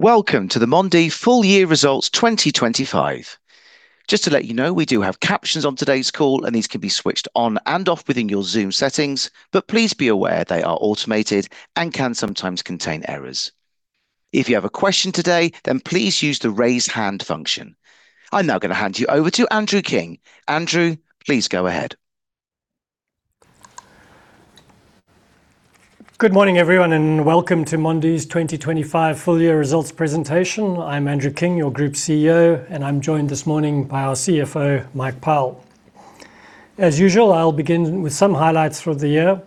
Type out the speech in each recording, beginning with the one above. Welcome to the Mondi Full Year Results 2025. Just to let you know, we do have captions on today's call, and these can be switched on and off within your Zoom settings, but please be aware they are automated and can sometimes contain errors. If you have a question today, then please use the Raise Hand function. I'm now gonna hand you over to Andrew King. Andrew, please go ahead. Good morning, everyone, and welcome to Mondi's 2025 full year results presentation. I'm Andrew King, your Group CEO, and I'm joined this morning by our CFO, Mike Powell. As usual, I'll begin with some highlights for the year.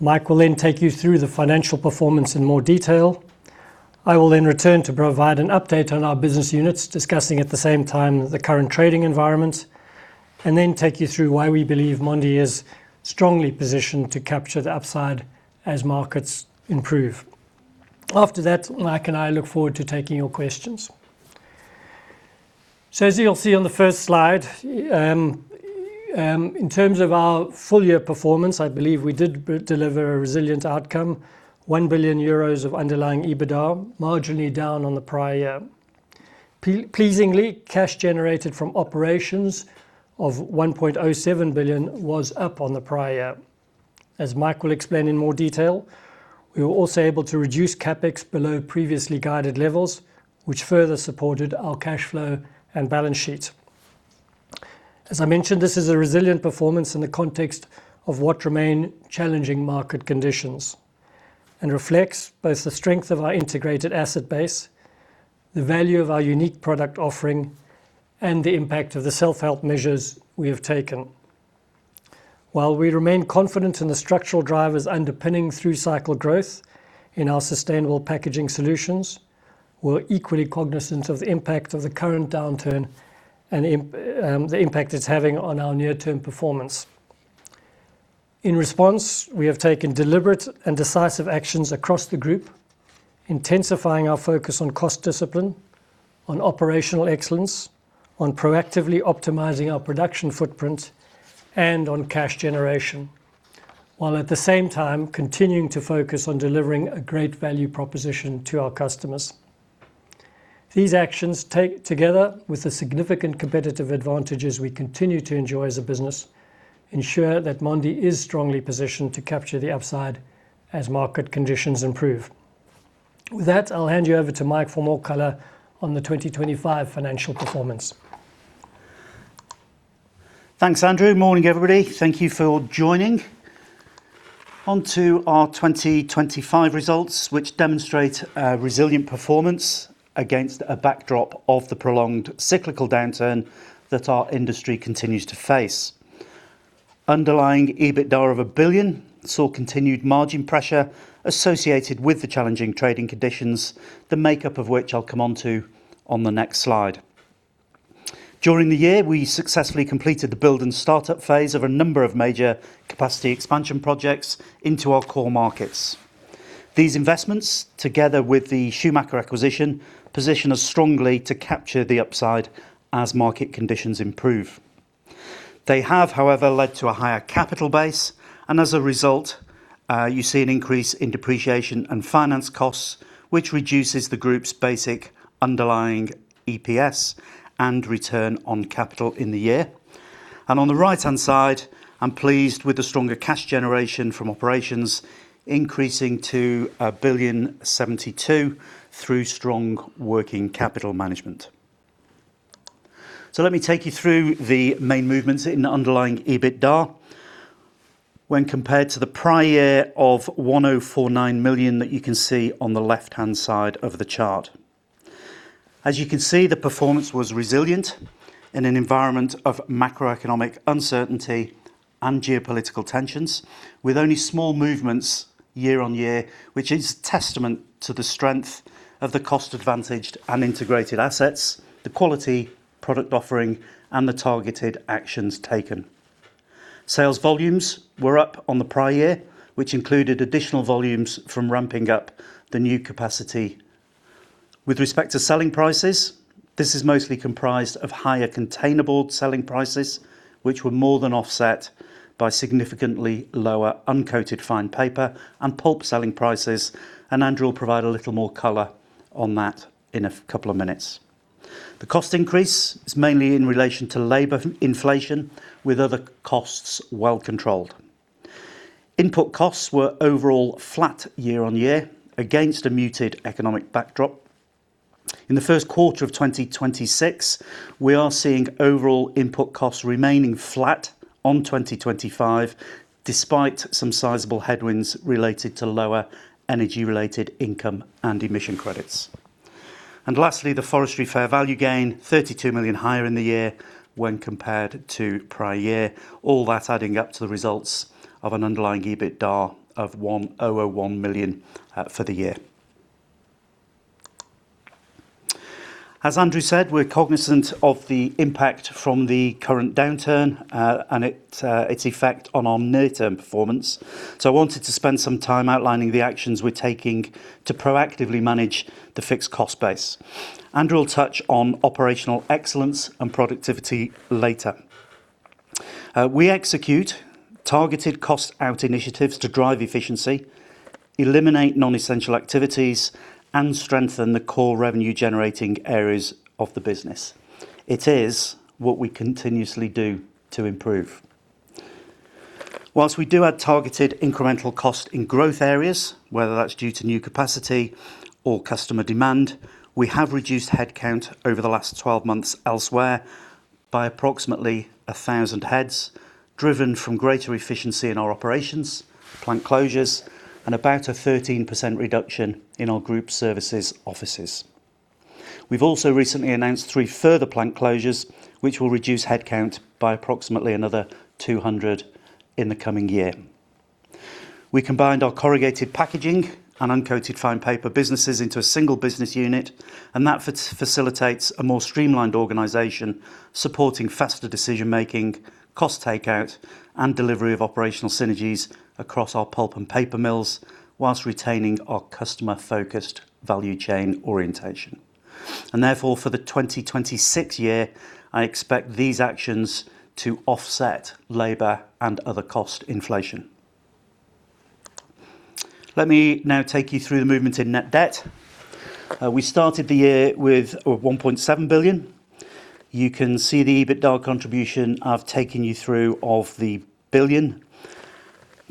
Mike will then take you through the financial performance in more detail. I will then return to provide an update on our business units, discussing at the same time the current trading environment, and then take you through why we believe Mondi is strongly positioned to capture the upside as markets improve. After that, Mike and I look forward to taking your questions. As you'll see on the first slide, in terms of our full year performance, I believe we did deliver a resilient outcome, 1 billion euros of underlying EBITDA, marginally down on the prior year. Pleasingly, cash generated from operations of 1.07 billion was up on the prior year. As Mike will explain in more detail, we were also able to reduce CapEx below previously guided levels, which further supported our cash flow and balance sheet. As I mentioned, this is a resilient performance in the context of what remain challenging market conditions and reflects both the strength of our integrated asset base, the value of our unique product offering, and the impact of the self-help measures we have taken. While we remain confident in the structural drivers underpinning through-cycle growth in our sustainable packaging solutions, we're equally cognizant of the impact of the current downturn and the impact it's having on our near-term performance. In response, we have taken deliberate and decisive actions across the group, intensifying our focus on cost discipline, on operational excellence, on proactively optimizing our production footprint, and on cash generation, while at the same time continuing to focus on delivering a great value proposition to our customers. These actions take, together with the significant competitive advantages we continue to enjoy as a business, ensure that Mondi is strongly positioned to capture the upside as market conditions improve. With that, I'll hand you over to Mike for more color on the 2025 financial performance. Thanks, Andrew. Morning, everybody. Thank you for joining. On to our 2025 results, which demonstrate a resilient performance against a backdrop of the prolonged cyclical downturn that our industry continues to face. Underlying EBITDA of 1 billion saw continued margin pressure associated with the challenging trading conditions, the makeup of which I'll come onto on the next slide. During the year, we successfully completed the build and startup phase of a number of major capacity expansion projects into our core markets. These investments, together with the Schumacher acquisition, position us strongly to capture the upside as market conditions improve. They have, however, led to a higher capital base, and as a result, you see an increase in depreciation and finance costs, which reduces the group's basic underlying EPS and return on capital in the year. On the right-hand side, I'm pleased with the stronger cash generation from operations, increasing to 1,072 million through strong working capital management. So let me take you through the main movements in underlying EBITDA when compared to the prior year of 1,049 million that you can see on the left-hand side of the chart. As you can see, the performance was resilient in an environment of macroeconomic uncertainty and geopolitical tensions, with only small movements year-on-year, which is testament to the strength of the cost-advantaged and integrated assets, the quality product offering, and the targeted actions taken. Sales volumes were up on the prior year, which included additional volumes from ramping up the new capacity. With respect to selling prices, this is mostly comprised of higher containerboard selling prices, which were more than offset by significantly lower uncoated fine paper and pulp selling prices, and Andrew will provide a little more color on that in a couple of minutes. The cost increase is mainly in relation to labor inflation, with other costs well controlled. Input costs were overall flat year-on-year against a muted economic backdrop. In the first quarter of 2026, we are seeing overall input costs remaining flat on 2025, despite some sizable headwinds related to lower energy-related income and emission credits. Lastly, the forestry fair value gain, 32 million higher in the year when compared to prior year, all that adding up to the results of an underlying EBITDA of 101 million for the year. As Andrew said, we're cognizant of the impact from the current downturn, and its effect on our near-term performance, so I wanted to spend some time outlining the actions we're taking to proactively manage the fixed cost base. Andrew will touch on operational excellence and productivity later. We execute targeted cost out initiatives to drive efficiency, eliminate non-essential activities, and strengthen the core revenue-generating areas of the business. It is what we continuously do to improve. Whilst we do have targeted incremental cost in growth areas, whether that's due to new capacity or customer demand, we have reduced headcount over the last 12 months elsewhere by approximately 1,000 heads, driven from greater efficiency in our operations, plant closures, and about a 13% reduction in our group services offices. We've also recently announced three further plant closures, which will reduce headcount by approximately another 200 in the coming year. We combined our corrugated packaging and uncoated fine paper businesses into a single business unit, and that facilitates a more streamlined organization, supporting faster decision-making, cost takeout, and delivery of operational synergies across our pulp and paper mills, while retaining our customer-focused value chain orientation. And therefore, for the 2026 year, I expect these actions to offset labor and other cost inflation. Let me now take you through the movement in net debt. We started the year with 1.7 billion. You can see the EBITDA contribution I've taken you through of 1 billion.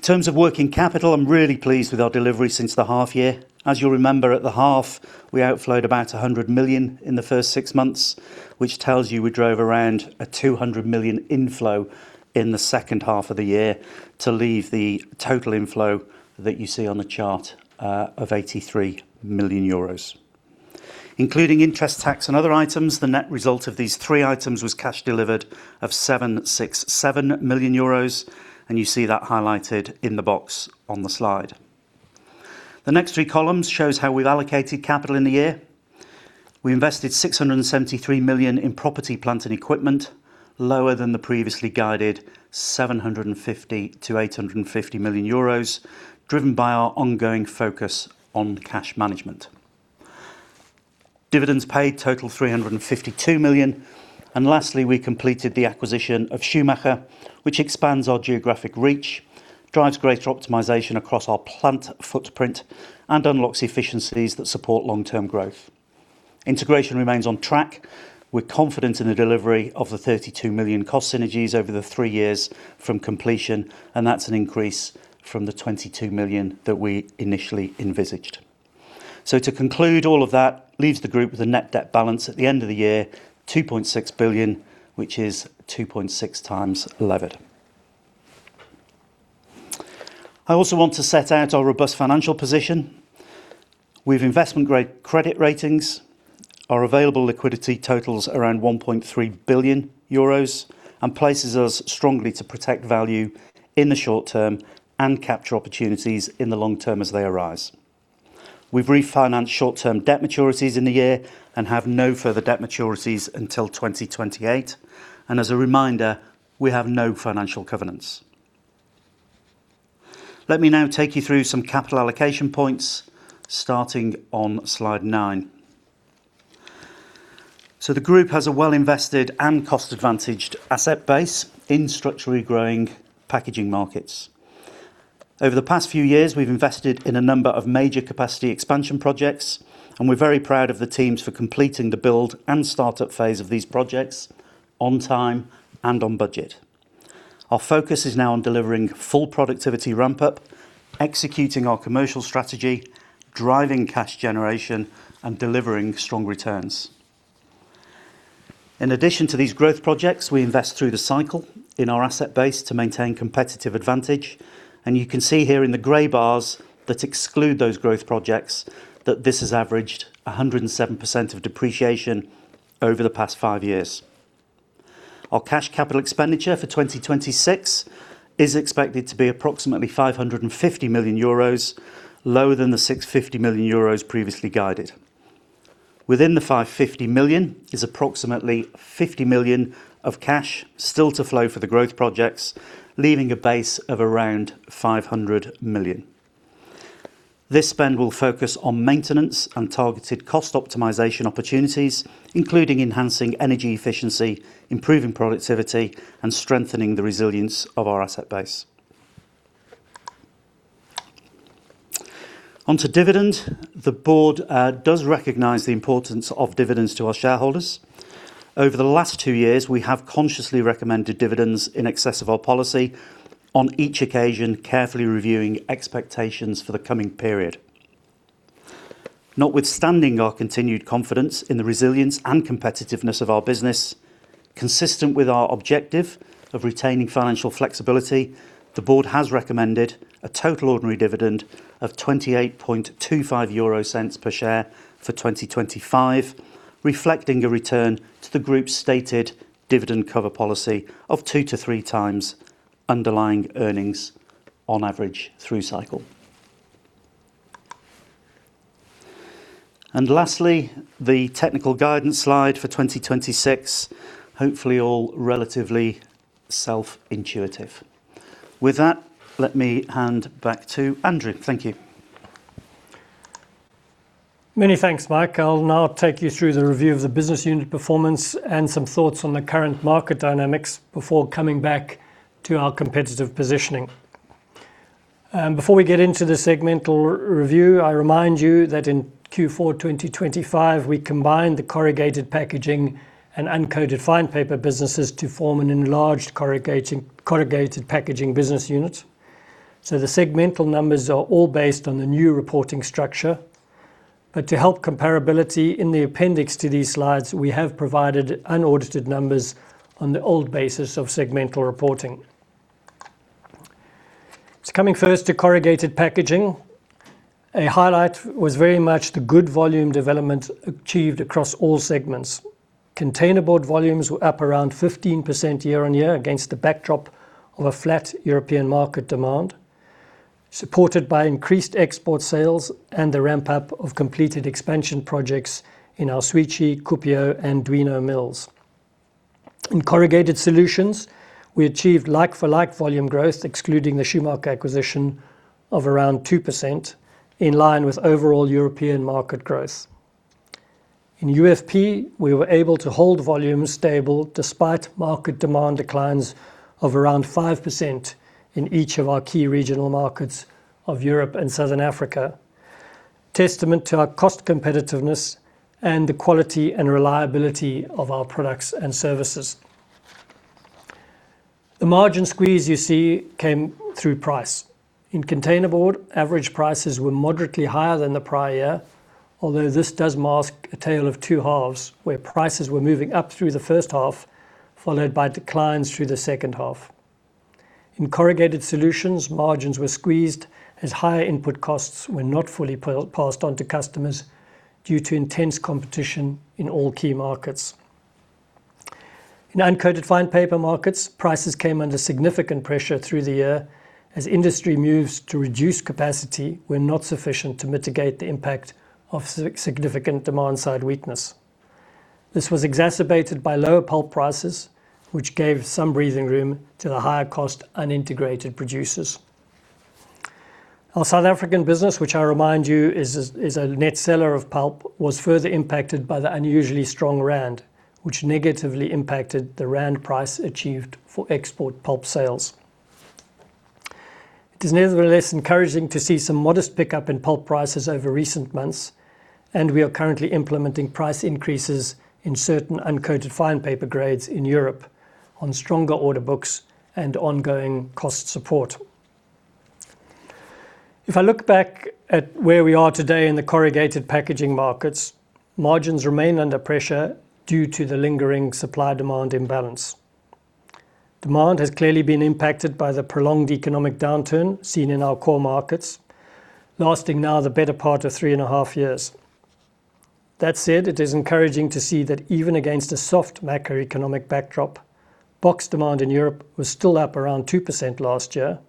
In terms of working capital, I'm really pleased with our delivery since the half year. As you'll remember, at the half, we outflowed about 100 million in the first six months, which tells you we drove around 200 million inflow in the second half of the year to leave the total inflow that you see on the chart of 83 million euros. Including interest tax and other items, the net result of these three items was cash delivered of 767 million euros, and you see that highlighted in the box on the slide. The next three columns shows how we've allocated capital in the year. We invested 673 million in property, plant, and equipment, lower than the previously guided 750 million-850 million euros, driven by our ongoing focus on cash management. Dividends paid total 352 million, and lastly, we completed the acquisition of Schumacher, which expands our geographic reach, drives greater optimization across our plant footprint, and unlocks efficiencies that support long-term growth. Integration remains on track. We're confident in the delivery of the 32 million cost synergies over the 3 years from completion, and that's an increase from the 22 million that we initially envisaged. So to conclude, all of that leaves the group with a net debt balance at the end of the year, 2.6 billion, which is 2.6x levered. I also want to set out our robust financial position. We've investment-grade credit ratings. Our available liquidity totals around 1.3 billion euros, and places us strongly to protect value in the short term and capture opportunities in the long term as they arise. We've refinanced short-term debt maturities in the year and have no further debt maturities until 2028, and as a reminder, we have no financial covenants. Let me now take you through some capital allocation points, starting on slide 9. So the group has a well-invested and cost-advantaged asset base in structurally growing packaging markets. Over the past few years, we've invested in a number of major capacity expansion projects, and we're very proud of the teams for completing the build and startup phase of these projects on time and on budget. Our focus is now on delivering full productivity ramp-up, executing our commercial strategy, driving cash generation, and delivering strong returns. In addition to these growth projects, we invest through the cycle in our asset base to maintain competitive advantage, and you can see here in the gray bars that exclude those growth projects, that this has averaged 107% of depreciation over the past 5 years. Our cash capital expenditure for 2026 is expected to be approximately 550 million euros, lower than the 650 million euros previously guided. Within the 550 million is approximately 50 million of cash still to flow for the growth projects, leaving a base of around 500 million. This spend will focus on maintenance and targeted cost optimization opportunities, including enhancing energy efficiency, improving productivity, and strengthening the resilience of our asset base. Onto dividend. The board does recognize the importance of dividends to our shareholders. Over the last two years, we have consciously recommended dividends in excess of our policy on each occasion, carefully reviewing expectations for the coming period. Notwithstanding our continued confidence in the resilience and competitiveness of our business, consistent with our objective of retaining financial flexibility, the board has recommended a total ordinary dividend of EUR 28.25 per share for 2025, reflecting a return to the group's stated dividend cover policy of 2-3 times underlying earnings on average through cycle. Lastly, the technical guidance slide for 2026, hopefully all relatively self-intuitive. With that, let me hand back to Andrew. Thank you. ... Many thanks, Mike. I'll now take you through the review of the business unit performance and some thoughts on the current market dynamics before coming back to our competitive positioning. Before we get into the segmental review, I remind you that in Q4 2025, we combined the Corrugated Packaging and Uncoated Fine Paper businesses to form an enlarged Corrugated, Corrugated Packaging business unit. The segmental numbers are all based on the new reporting structure. To help comparability in the appendix to these slides, we have provided unaudited numbers on the old basis of segmental reporting. Coming first to Corrugated Packaging, a highlight was very much the good volume development achieved across all segments. Containerboard volumes were up around 15% year-on-year, against the backdrop of a flat European market demand, supported by increased export sales and the ramp-up of completed expansion projects in our Świecie, Kuopio, and Duino mills. In Corrugated Solutions, we achieved like-for-like volume growth, excluding the Schumacher acquisition of around 2%, in line with overall European market growth. In UFP, we were able to hold volumes stable despite market demand declines of around 5% in each of our key regional markets of Europe and Southern Africa, testament to our cost competitiveness and the quality and reliability of our products and services. The margin squeeze you see came through price. In Containerboard, average prices were moderately higher than the prior year, although this does mask a tale of two halves, where prices were moving up through the first half, followed by declines through the second half. In Corrugated Solutions, margins were squeezed as higher input costs were not fully passed on to customers due to intense competition in all key markets. In Uncoated Fine Paper markets, prices came under significant pressure through the year as industry moves to reduce capacity were not sufficient to mitigate the impact of significant demand-side weakness. This was exacerbated by lower pulp prices, which gave some breathing room to the higher-cost, unintegrated producers. Our South African business, which I remind you is a net seller of pulp, was further impacted by the unusually strong rand, which negatively impacted the rand price achieved for export pulp sales. It is nevertheless encouraging to see some modest pickup in pulp prices over recent months, and we are currently implementing price increases in certain uncoated fine paper grades in Europe on stronger order books and ongoing cost support. If I look back at where we are today in the corrugated packaging markets, margins remain under pressure due to the lingering supply-demand imbalance. Demand has clearly been impacted by the prolonged economic downturn seen in our core markets, lasting now the better part of three and a half years. That said, it is encouraging to see that even against a soft macroeconomic backdrop, box demand in Europe was still up around 2% last year.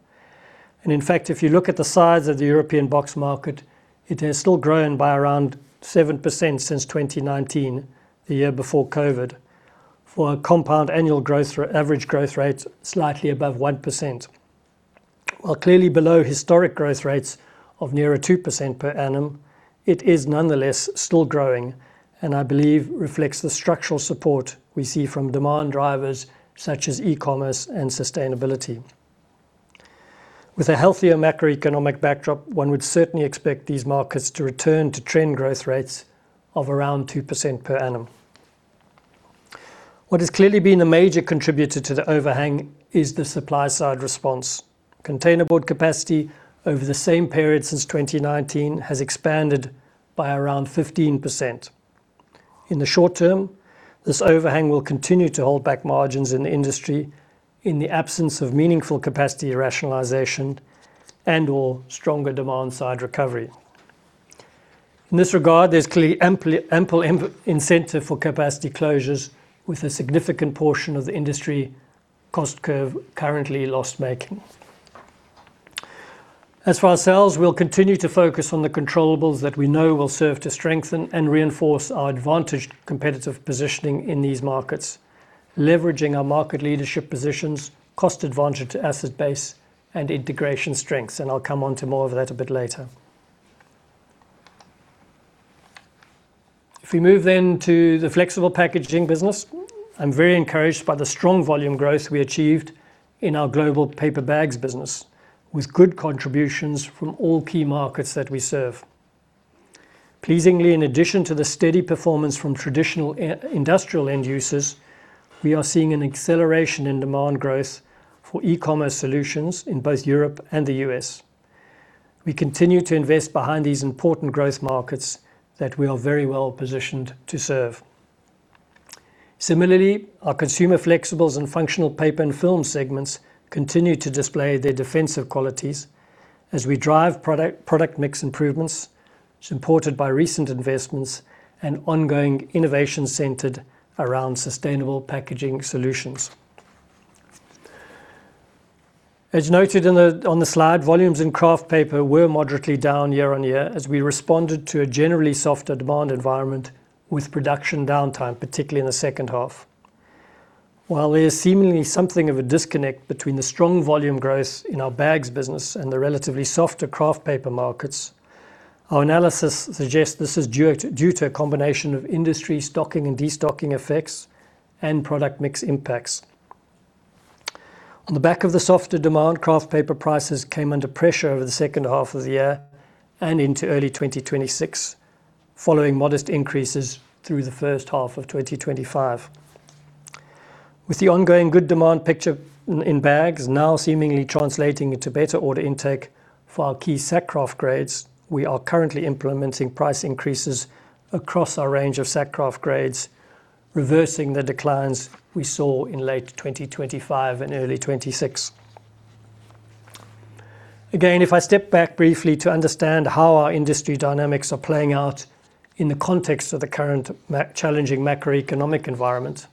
And in fact, if you look at the size of the European box market, it has still grown by around 7% since 2019, the year before COVID, for a compound annual growth average growth rate slightly above 1%. While clearly below historic growth rates of nearer 2% per annum, it is nonetheless still growing and I believe reflects the structural support we see from demand drivers such as e-commerce and sustainability. With a healthier macroeconomic backdrop, one would certainly expect these markets to return to trend growth rates of around 2% per annum. What has clearly been a major contributor to the overhang is the supply-side response. Containerboard capacity over the same period since 2019 has expanded by around 15%. In the short term, this overhang will continue to hold back margins in the industry in the absence of meaningful capacity rationalization and/or stronger demand-side recovery. In this regard, there's clearly ample incentive for capacity closures, with a significant portion of the industry cost curve currently loss-making. As for ourselves, we'll continue to focus on the controllables that we know will serve to strengthen and reinforce our advantaged competitive positioning in these markets, leveraging our market leadership positions, cost advantage to asset base, and integration strengths, and I'll come on to more of that a bit later. If we move then to the Flexible Packaging business, I'm very encouraged by the strong volume growth we achieved in our global paper bags business, with good contributions from all key markets that we serve. Pleasingly, in addition to the steady performance from traditional e.g., industrial end users, we are seeing an acceleration in demand growth for e-commerce solutions in both Europe and the U.S. We continue to invest behind these important growth markets that we are very well positioned to serve. Similarly, our consumer flexibles and functional paper and film segments continue to display their defensive qualities as we drive product, product mix improvements, supported by recent investments and ongoing innovation centered around sustainable packaging solutions. As noted on the slide, volumes in kraft paper were moderately down year-on-year as we responded to a generally softer demand environment with production downtime, particularly in the second half. While there is seemingly something of a disconnect between the strong volume growth in our bags business and the relatively softer kraft paper markets, our analysis suggests this is due to, due to a combination of industry stocking and destocking effects and product mix impacts. On the back of the softer demand, kraft paper prices came under pressure over the second half of the year and into early 2026, following modest increases through the first half of 2025. With the ongoing good demand picture in bags now seemingly translating into better order intake for our key sack kraft grades, we are currently implementing price increases across our range of sack kraft grades, reversing the declines we saw in late 2025 and early 2026. Again, if I step back briefly to understand how our industry dynamics are playing out in the context of the current challenging macroeconomic environment,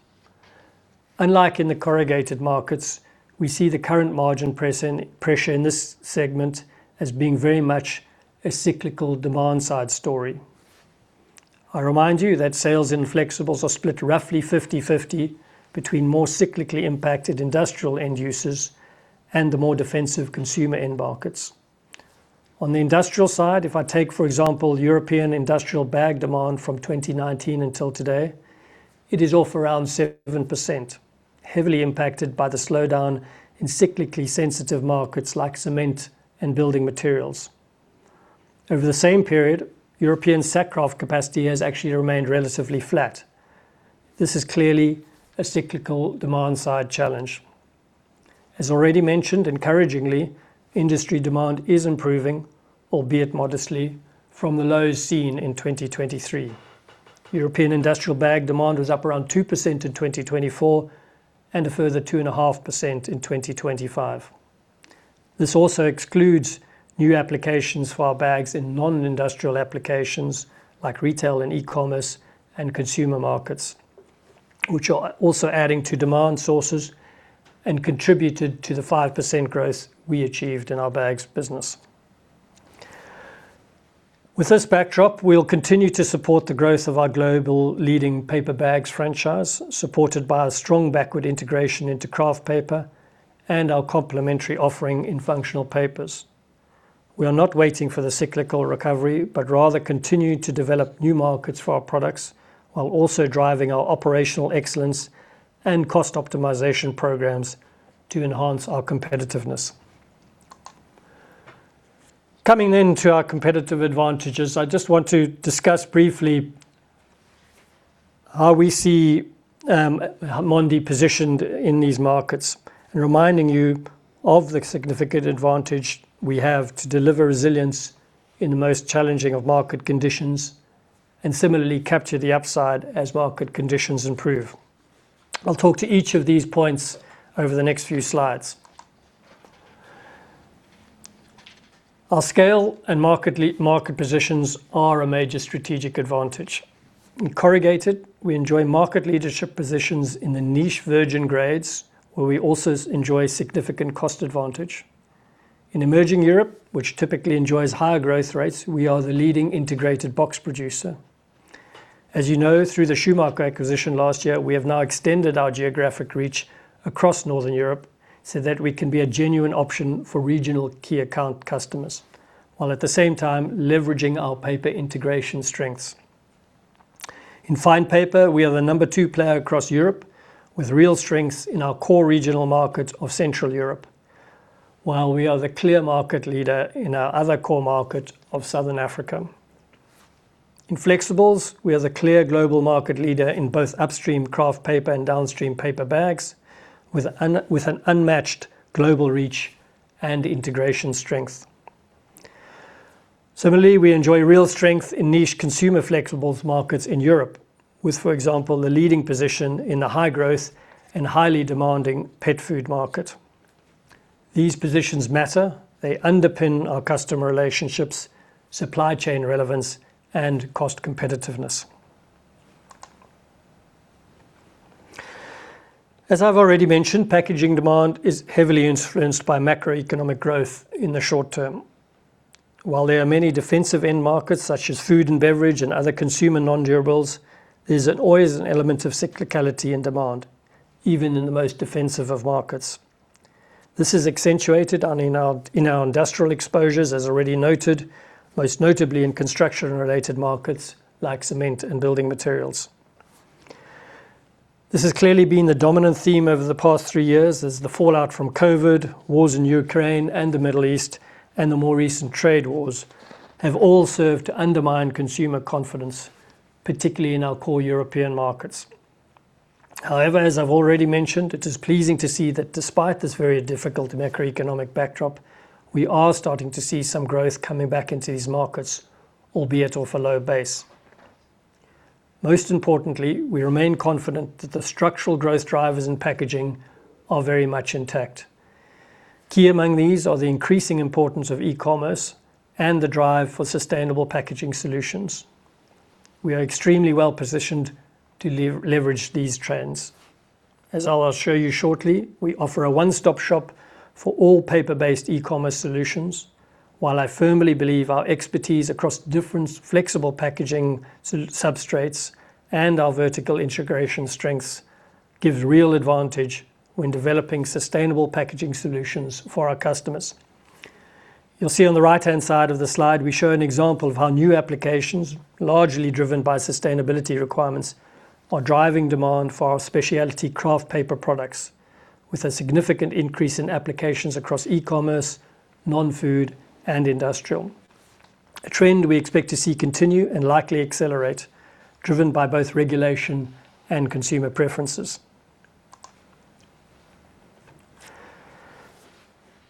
unlike in the corrugated markets, we see the current margin pressure in this segment as being very much a cyclical demand side story. I remind you that sales in flexibles are split roughly 50/50 between more cyclically impacted industrial end users and the more defensive consumer end markets. On the industrial side, if I take, for example, European industrial bag demand from 2019 until today, it is off around 7%, heavily impacted by the slowdown in cyclically sensitive markets like cement and building materials. Over the same period, European Sack Kraft capacity has actually remained relatively flat. This is clearly a cyclical demand side challenge. As already mentioned, encouragingly, industry demand is improving, albeit modestly, from the lows seen in 2023. European industrial bag demand was up around 2% in 2024 and a further 2.5% in 2025. This also excludes new applications for our bags in non-industrial applications like retail and e-commerce and consumer markets, which are also adding to demand sources and contributed to the 5% growth we achieved in our bags business. With this backdrop, we'll continue to support the growth of our global leading paper bags franchise, supported by a strong backward integration into kraft paper and our complementary offering in functional papers. We are not waiting for the cyclical recovery, but rather continuing to develop new markets for our products, while also driving our operational excellence and cost optimization programs to enhance our competitiveness. Coming then to our competitive advantages, I just want to discuss briefly how we see Mondi positioned in these markets and reminding you of the significant advantage we have to deliver resilience in the most challenging of market conditions, and similarly, capture the upside as market conditions improve. I'll talk to each of these points over the next few slides. Our scale and market positions are a major strategic advantage. In corrugated, we enjoy market leadership positions in the niche virgin grades, where we also enjoy significant cost advantage. In emerging Europe, which typically enjoys higher growth rates, we are the leading integrated box producer. As you know, through the Schumacher acquisition last year, we have now extended our geographic reach across Northern Europe so that we can be a genuine option for regional key account customers, while at the same time leveraging our paper integration strengths. In fine paper, we are the number two player across Europe, with real strengths in our core regional market of Central Europe, while we are the clear market leader in our other core market of Southern Africa. In flexibles, we are the clear global market leader in both upstream kraft paper and downstream paper bags, with an unmatched global reach and integration strength. Similarly, we enjoy real strength in niche consumer flexibles markets in Europe, with, for example, the leading position in the high growth and highly demanding pet food market. These positions matter. They underpin our customer relationships, supply chain relevance, and cost competitiveness. As I've already mentioned, packaging demand is heavily influenced by macroeconomic growth in the short term. While there are many defensive end markets, such as food and beverage and other consumer non-durables, there's always an element of cyclicality in demand, even in the most defensive of markets. This is accentuated in our industrial exposures, as already noted, most notably in construction and related markets like cement and building materials. This has clearly been the dominant theme over the past three years as the fallout from COVID, wars in Ukraine and the Middle East, and the more recent trade wars have all served to undermine consumer confidence, particularly in our core European markets. However, as I've already mentioned, it is pleasing to see that despite this very difficult macroeconomic backdrop, we are starting to see some growth coming back into these markets, albeit off a low base. Most importantly, we remain confident that the structural growth drivers in packaging are very much intact. Key among these are the increasing importance of e-commerce and the drive for sustainable packaging solutions. We are extremely well positioned to leverage these trends. As I will show you shortly, we offer a one-stop shop for all paper-based e-commerce solutions.... While I firmly believe our expertise across different flexible packaging so substrates and our vertical integration strengths gives real advantage when developing sustainable packaging solutions for our customers. You'll see on the right-hand side of the slide, we show an example of how new applications, largely driven by sustainability requirements, are driving demand for our specialty Kraft paper products, with a significant increase in applications across e-commerce, non-food, and industrial. A trend we expect to see continue and likely accelerate, driven by both regulation and consumer preferences.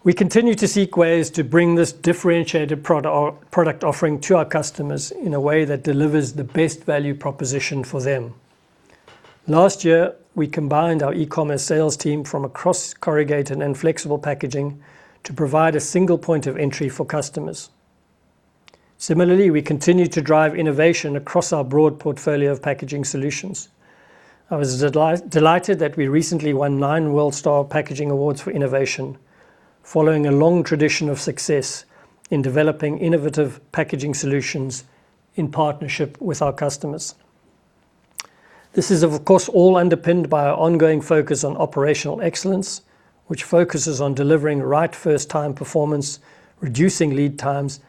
We continue to seek ways to bring this differentiated product offering to our customers in a way that delivers the best value proposition for them. Last year, we combined our e-commerce sales team from across corrugated and flexible packaging to provide a single point of entry for customers. Similarly, we continued to drive innovation across our broad portfolio of packaging solutions. I was delighted that we recently won nine WorldStar Packaging Awards for innovation, following a long tradition of success in developing innovative packaging solutions in partnership with our customers. This is, of course, all underpinned by our ongoing focus on operational excellence, which focuses on delivering right first-time performance, reducing lead times,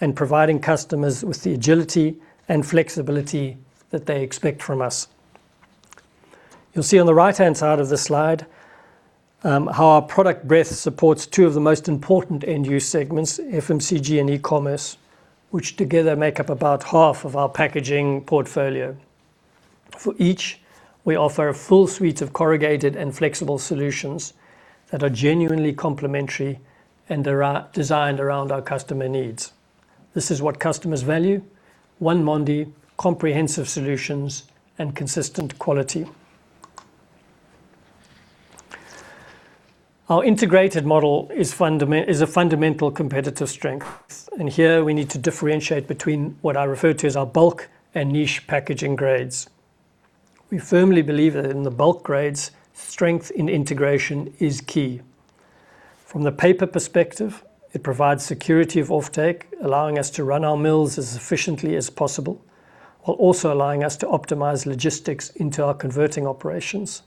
and providing customers with the agility and flexibility that they expect from us. You'll see on the right-hand side of this slide, how our product breadth supports two of the most important end-use segments, FMCG and e-commerce, which together make up about half of our packaging portfolio. For each, we offer a full suite of corrugated and flexible solutions that are genuinely complementary and are designed around our customer needs. This is what customers value: one Mondi, comprehensive solutions and consistent quality. Our integrated model is a fundamental competitive strength, and here we need to differentiate between what I refer to as our bulk and niche packaging grades. We firmly believe that in the bulk grades, strength in integration is key. From the paper perspective, it provides security of offtake, allowing us to run our mills as efficiently as possible, while also allowing us to optimize logistics into our converting operations.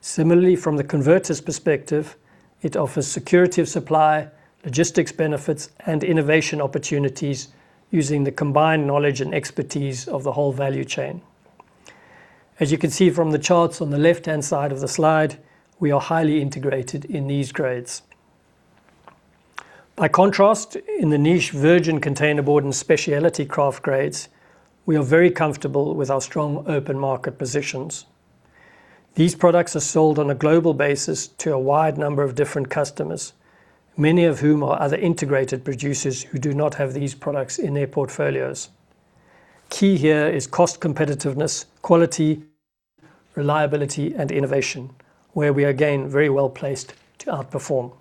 Similarly, from the converter's perspective, it offers security of supply, logistics benefits, and innovation opportunities using the combined knowledge and expertise of the whole value chain. As you can see from the charts on the left-hand side of the slide, we are highly integrated in these grades. By contrast, in the niche virgin containerboard and specialty kraft grades, we are very comfortable with our strong open market positions. These products are sold on a global basis to a wide number of different customers, many of whom are other integrated producers who do not have these products in their portfolios. Key here is cost competitiveness, quality, reliability, and innovation, where we are again very well-placed to outperform.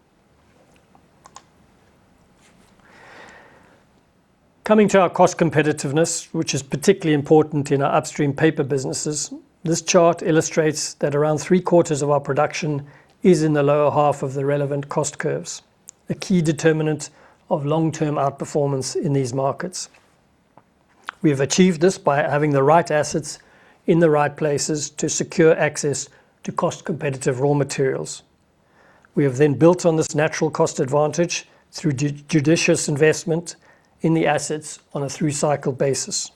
Coming to our cost competitiveness, which is particularly important in our upstream paper businesses, this chart illustrates that around three-quarters of our production is in the lower half of the relevant cost curves, a key determinant of long-term outperformance in these markets. We have achieved this by having the right assets in the right places to secure access to cost-competitive raw materials. We have then built on this natural cost advantage through judicious investment in the assets on a through-cycle basis.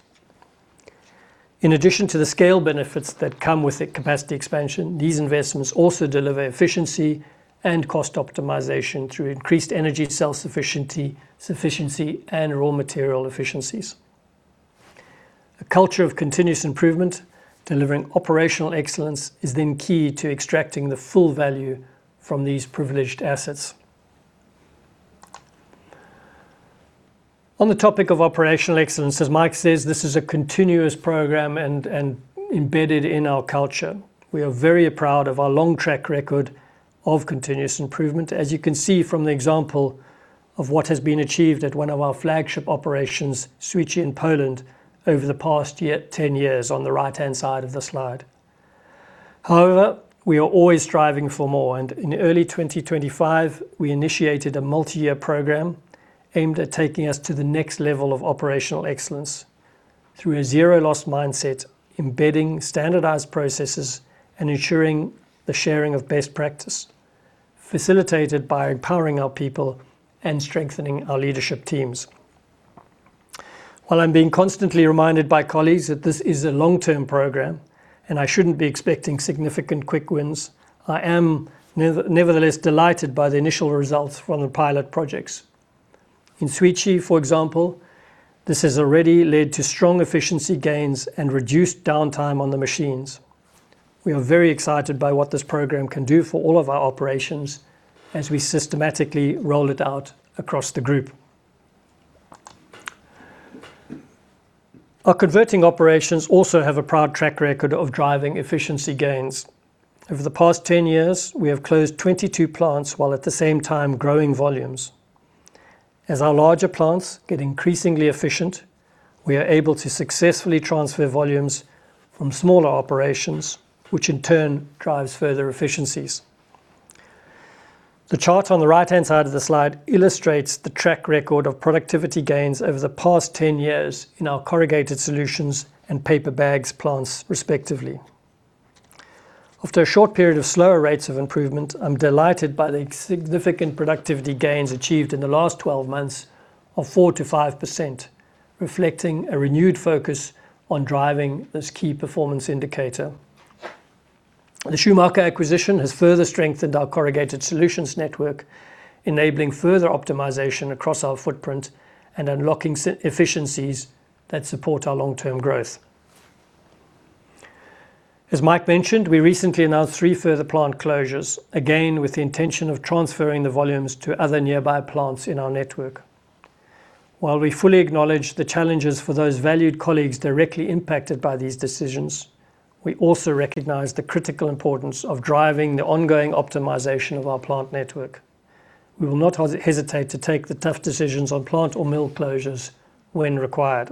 In addition to the scale benefits that come with the capacity expansion, these investments also deliver efficiency and cost optimization through increased energy self-sufficiency and raw material efficiencies. A culture of continuous improvement, delivering operational excellence, is then key to extracting the full value from these privileged assets. On the topic of operational excellence, as Mike says, this is a continuous program and embedded in our culture. We are very proud of our long track record of continuous improvement, as you can see from the example of what has been achieved at one of our flagship operations, Świecie in Poland, over the past year, 10 years on the right-hand side of the slide. However, we are always striving for more, and in early 2025, we initiated a multi-year program aimed at taking us to the next level of operational excellence through a zero loss mindset, embedding standardized processes and ensuring the sharing of best practice, facilitated by empowering our people and strengthening our leadership teams. While I'm being constantly reminded by colleagues that this is a long-term program and I shouldn't be expecting significant quick wins, I am nevertheless delighted by the initial results from the pilot projects. In Świecie, for example, this has already led to strong efficiency gains and reduced downtime on the machines. We are very excited by what this program can do for all of our operations as we systematically roll it out across the group. Our converting operations also have a proud track record of driving efficiency gains. Over the past 10 years, we have closed 22 plants, while at the same time growing volumes. As our larger plants get increasingly efficient, we are able to successfully transfer volumes from smaller operations, which in turn drives further efficiencies. The chart on the right-hand side of the slide illustrates the track record of productivity gains over the past 10 years in our Corrugated Solutions and paper bags plants, respectively. After a short period of slower rates of improvement, I'm delighted by the significant productivity gains achieved in the last 12 months of 4%-5%, reflecting a renewed focus on driving this key performance indicator. The Schumacher acquisition has further strengthened our Corrugated Solutions network, enabling further optimization across our footprint and unlocking efficiencies that support our long-term growth. As Mike mentioned, we recently announced three further plant closures, again, with the intention of transferring the volumes to other nearby plants in our network. While we fully acknowledge the challenges for those valued colleagues directly impacted by these decisions, we also recognize the critical importance of driving the ongoing optimization of our plant network. We will not hesitate to take the tough decisions on plant or mill closures when required.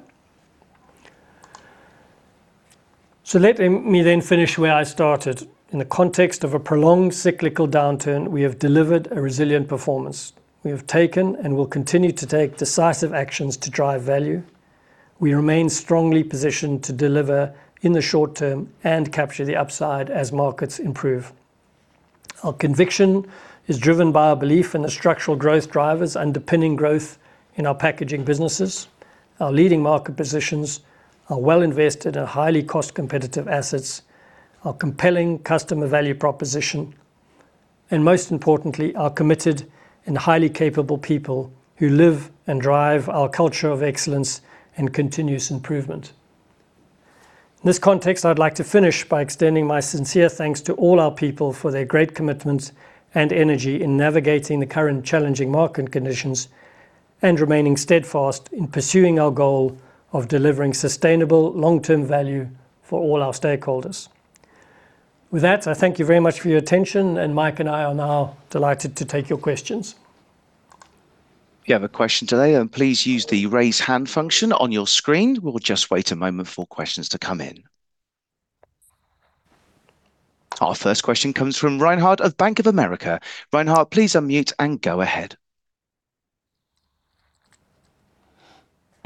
So let me then finish where I started. In the context of a prolonged cyclical downturn, we have delivered a resilient performance. We have taken and will continue to take decisive actions to drive value. We remain strongly positioned to deliver in the short term and capture the upside as markets improve. Our conviction is driven by our belief in the structural growth drivers underpinning growth in our packaging businesses, our leading market positions, our well-invested and highly cost-competitive assets, our compelling customer value proposition, and most importantly, our committed and highly capable people who live and drive our culture of excellence and continuous improvement. In this context, I'd like to finish by extending my sincere thanks to all our people for their great commitment and energy in navigating the current challenging market conditions and remaining steadfast in pursuing our goal of delivering sustainable long-term value for all our stakeholders. With that, I thank you very much for your attention, and Mike and I are now delighted to take your questions. If you have a question today, please use the Raise Hand function on your screen. We'll just wait a moment for questions to come in. Our first question comes from Reinhard of Bank of America. Reinhard, please unmute and go ahead.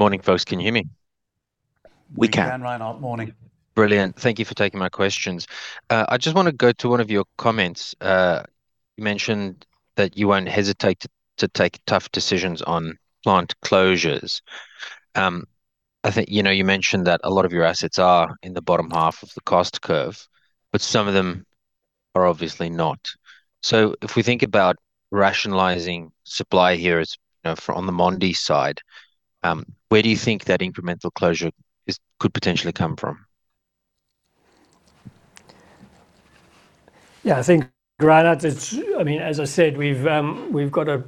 Morning, folks. Can you hear me? We can. We can, Reinhardt. Morning. Brilliant. Thank you for taking my questions. I just wanna go to one of your comments. You mentioned that you won't hesitate to take tough decisions on plant closures. I think, you know, you mentioned that a lot of your assets are in the bottom half of the cost curve, but some of them are obviously not. So if we think about rationalizing supply here, as you know, for on the Mondi side, where do you think that incremental closure could potentially come from? Yeah, I think, Reinhard, it's. I mean, as I said, we've, we've got a,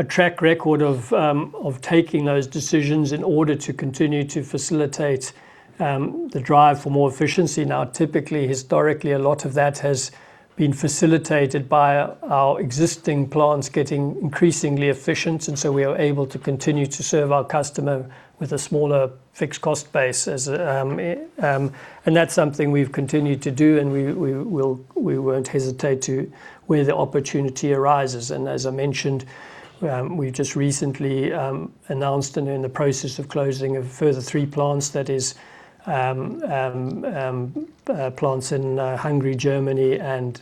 a track record of, of taking those decisions in order to continue to facilitate, the drive for more efficiency. Now, typically, historically, a lot of that has been facilitated by, our existing plants getting increasingly efficient, and so we are able to continue to serve our customer with a smaller fixed cost base as. And that's something we've continued to do, and we, we will- we won't hesitate to where the opportunity arises, and as I mentioned, we just recently, announced and are in the process of closing a further three plants. That is, plants in, Hungary, Germany, and,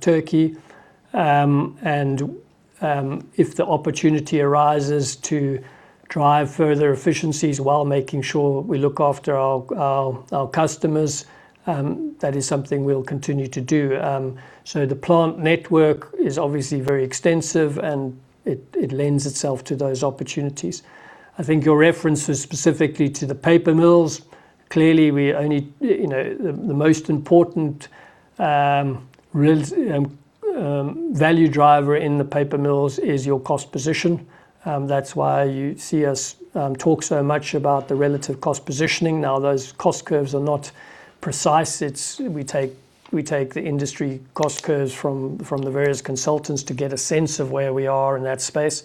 Turkey. If the opportunity arises to drive further efficiencies while making sure we look after our, our, our customers, that is something we'll continue to do. The plant network is obviously very extensive, and it lends itself to those opportunities. I think your reference was specifically to the paper mills. Clearly, you know, the most important value driver in the paper mills is your cost position. That's why you see us talk so much about the relative cost positioning. Now, those cost curves are not precise. It's... We take the industry cost curves from the various consultants to get a sense of where we are in that space.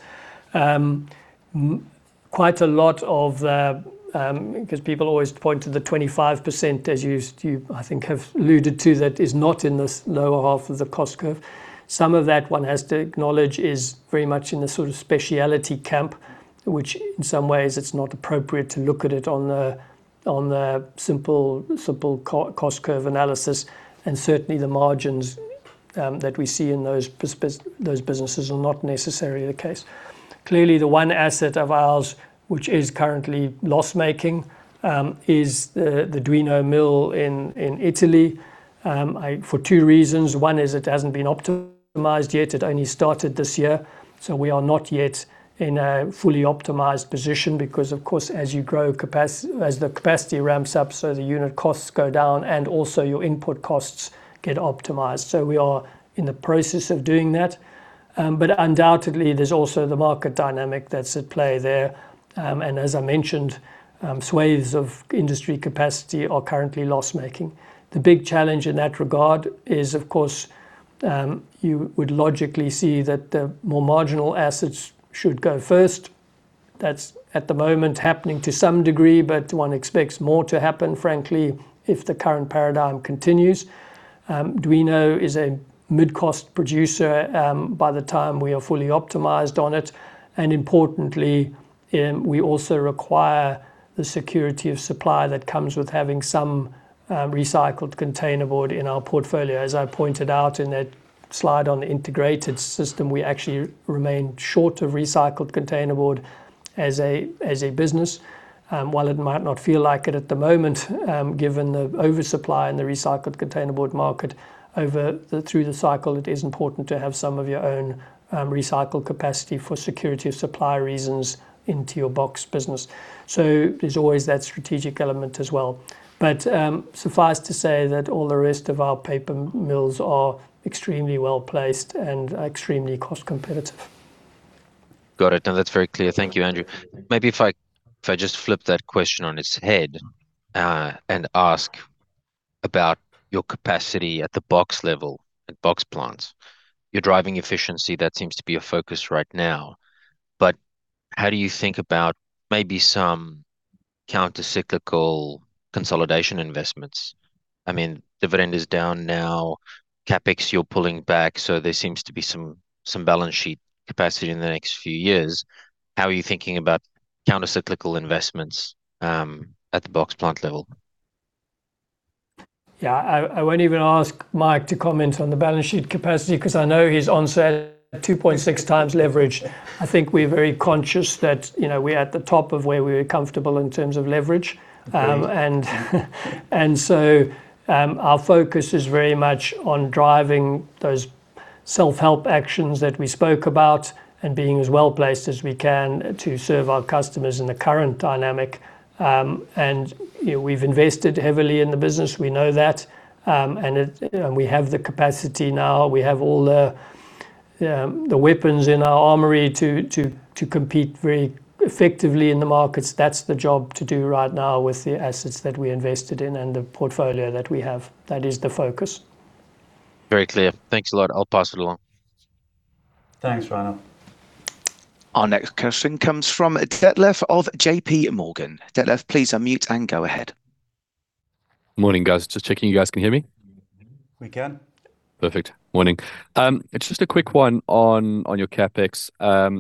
Quite a lot of the, 'cause people always point to the 25%, as you, I think, have alluded to, that is not in the lower half of the cost curve. Some of that, one has to acknowledge, is very much in the sort of specialty camp, which in some ways it's not appropriate to look at it on a simple cost curve analysis, and certainly, the margins that we see in those businesses are not necessarily the case. Clearly, the one asset of ours which is currently loss-making is the Duino mill in Italy for two reasons. One is it hasn't been optimized yet. It only started this year, so we are not yet in a fully optimized position because, of course, as the capacity ramps up, so the unit costs go down, and also your input costs get optimized. So we are in the process of doing that, but undoubtedly, there's also the market dynamic that's at play there. And as I mentioned, swathes of industry capacity are currently loss-making. The big challenge in that regard is, of course, you would logically see that the more marginal assets should go first. That's at the moment happening to some degree, but one expects more to happen, frankly, if the current paradigm continues. Duino is a mid-cost producer, by the time we are fully optimized on it, and importantly, we also require the security of supply that comes with having some recycled containerboard in our portfolio. As I pointed out in that slide on the integrated system, we actually remain short of recycled containerboard as a business. While it might not feel like it at the moment, given the oversupply in the recycled containerboard market, through the cycle, it is important to have some of your own recycled capacity for security of supply reasons into your box business. So there's always that strategic element as well. But, suffice to say that all the rest of our paper mills are extremely well-placed and are extremely cost competitive. Got it. No, that's very clear. Thank you, Andrew. Maybe if I just flip that question on its head, and ask about your capacity at the box level, at box plants. You're driving efficiency, that seems to be a focus right now. But how do you think about maybe some countercyclical consolidation investments? I mean, dividend is down now, CapEx, you're pulling back, so there seems to be some balance sheet capacity in the next few years. How are you thinking about countercyclical investments, at the box plant level? Yeah, I won't even ask Mike to comment on the balance sheet capacity, 'cause I know he's on set at 2.6 times leverage. I think we're very conscious that, you know, we're at the top of where we're comfortable in terms of leverage. Agreed. And so, our focus is very much on driving those self-help actions that we spoke about, and being as well-placed as we can to serve our customers in the current dynamic. And, you know, we've invested heavily in the business. We know that, and we have the capacity now. We have all the weapons in our armory to compete very effectively in the markets. That's the job to do right now with the assets that we invested in and the portfolio that we have. That is the focus. Very clear. Thanks a lot. I'll pass it along. Thanks, Reinhardt. Our next question comes from Detlef of JPMorgan. Detlef, please unmute and go ahead. Morning, guys. Just checking you guys can hear me? We can. Perfect. Morning. It's just a quick one on your CapEx.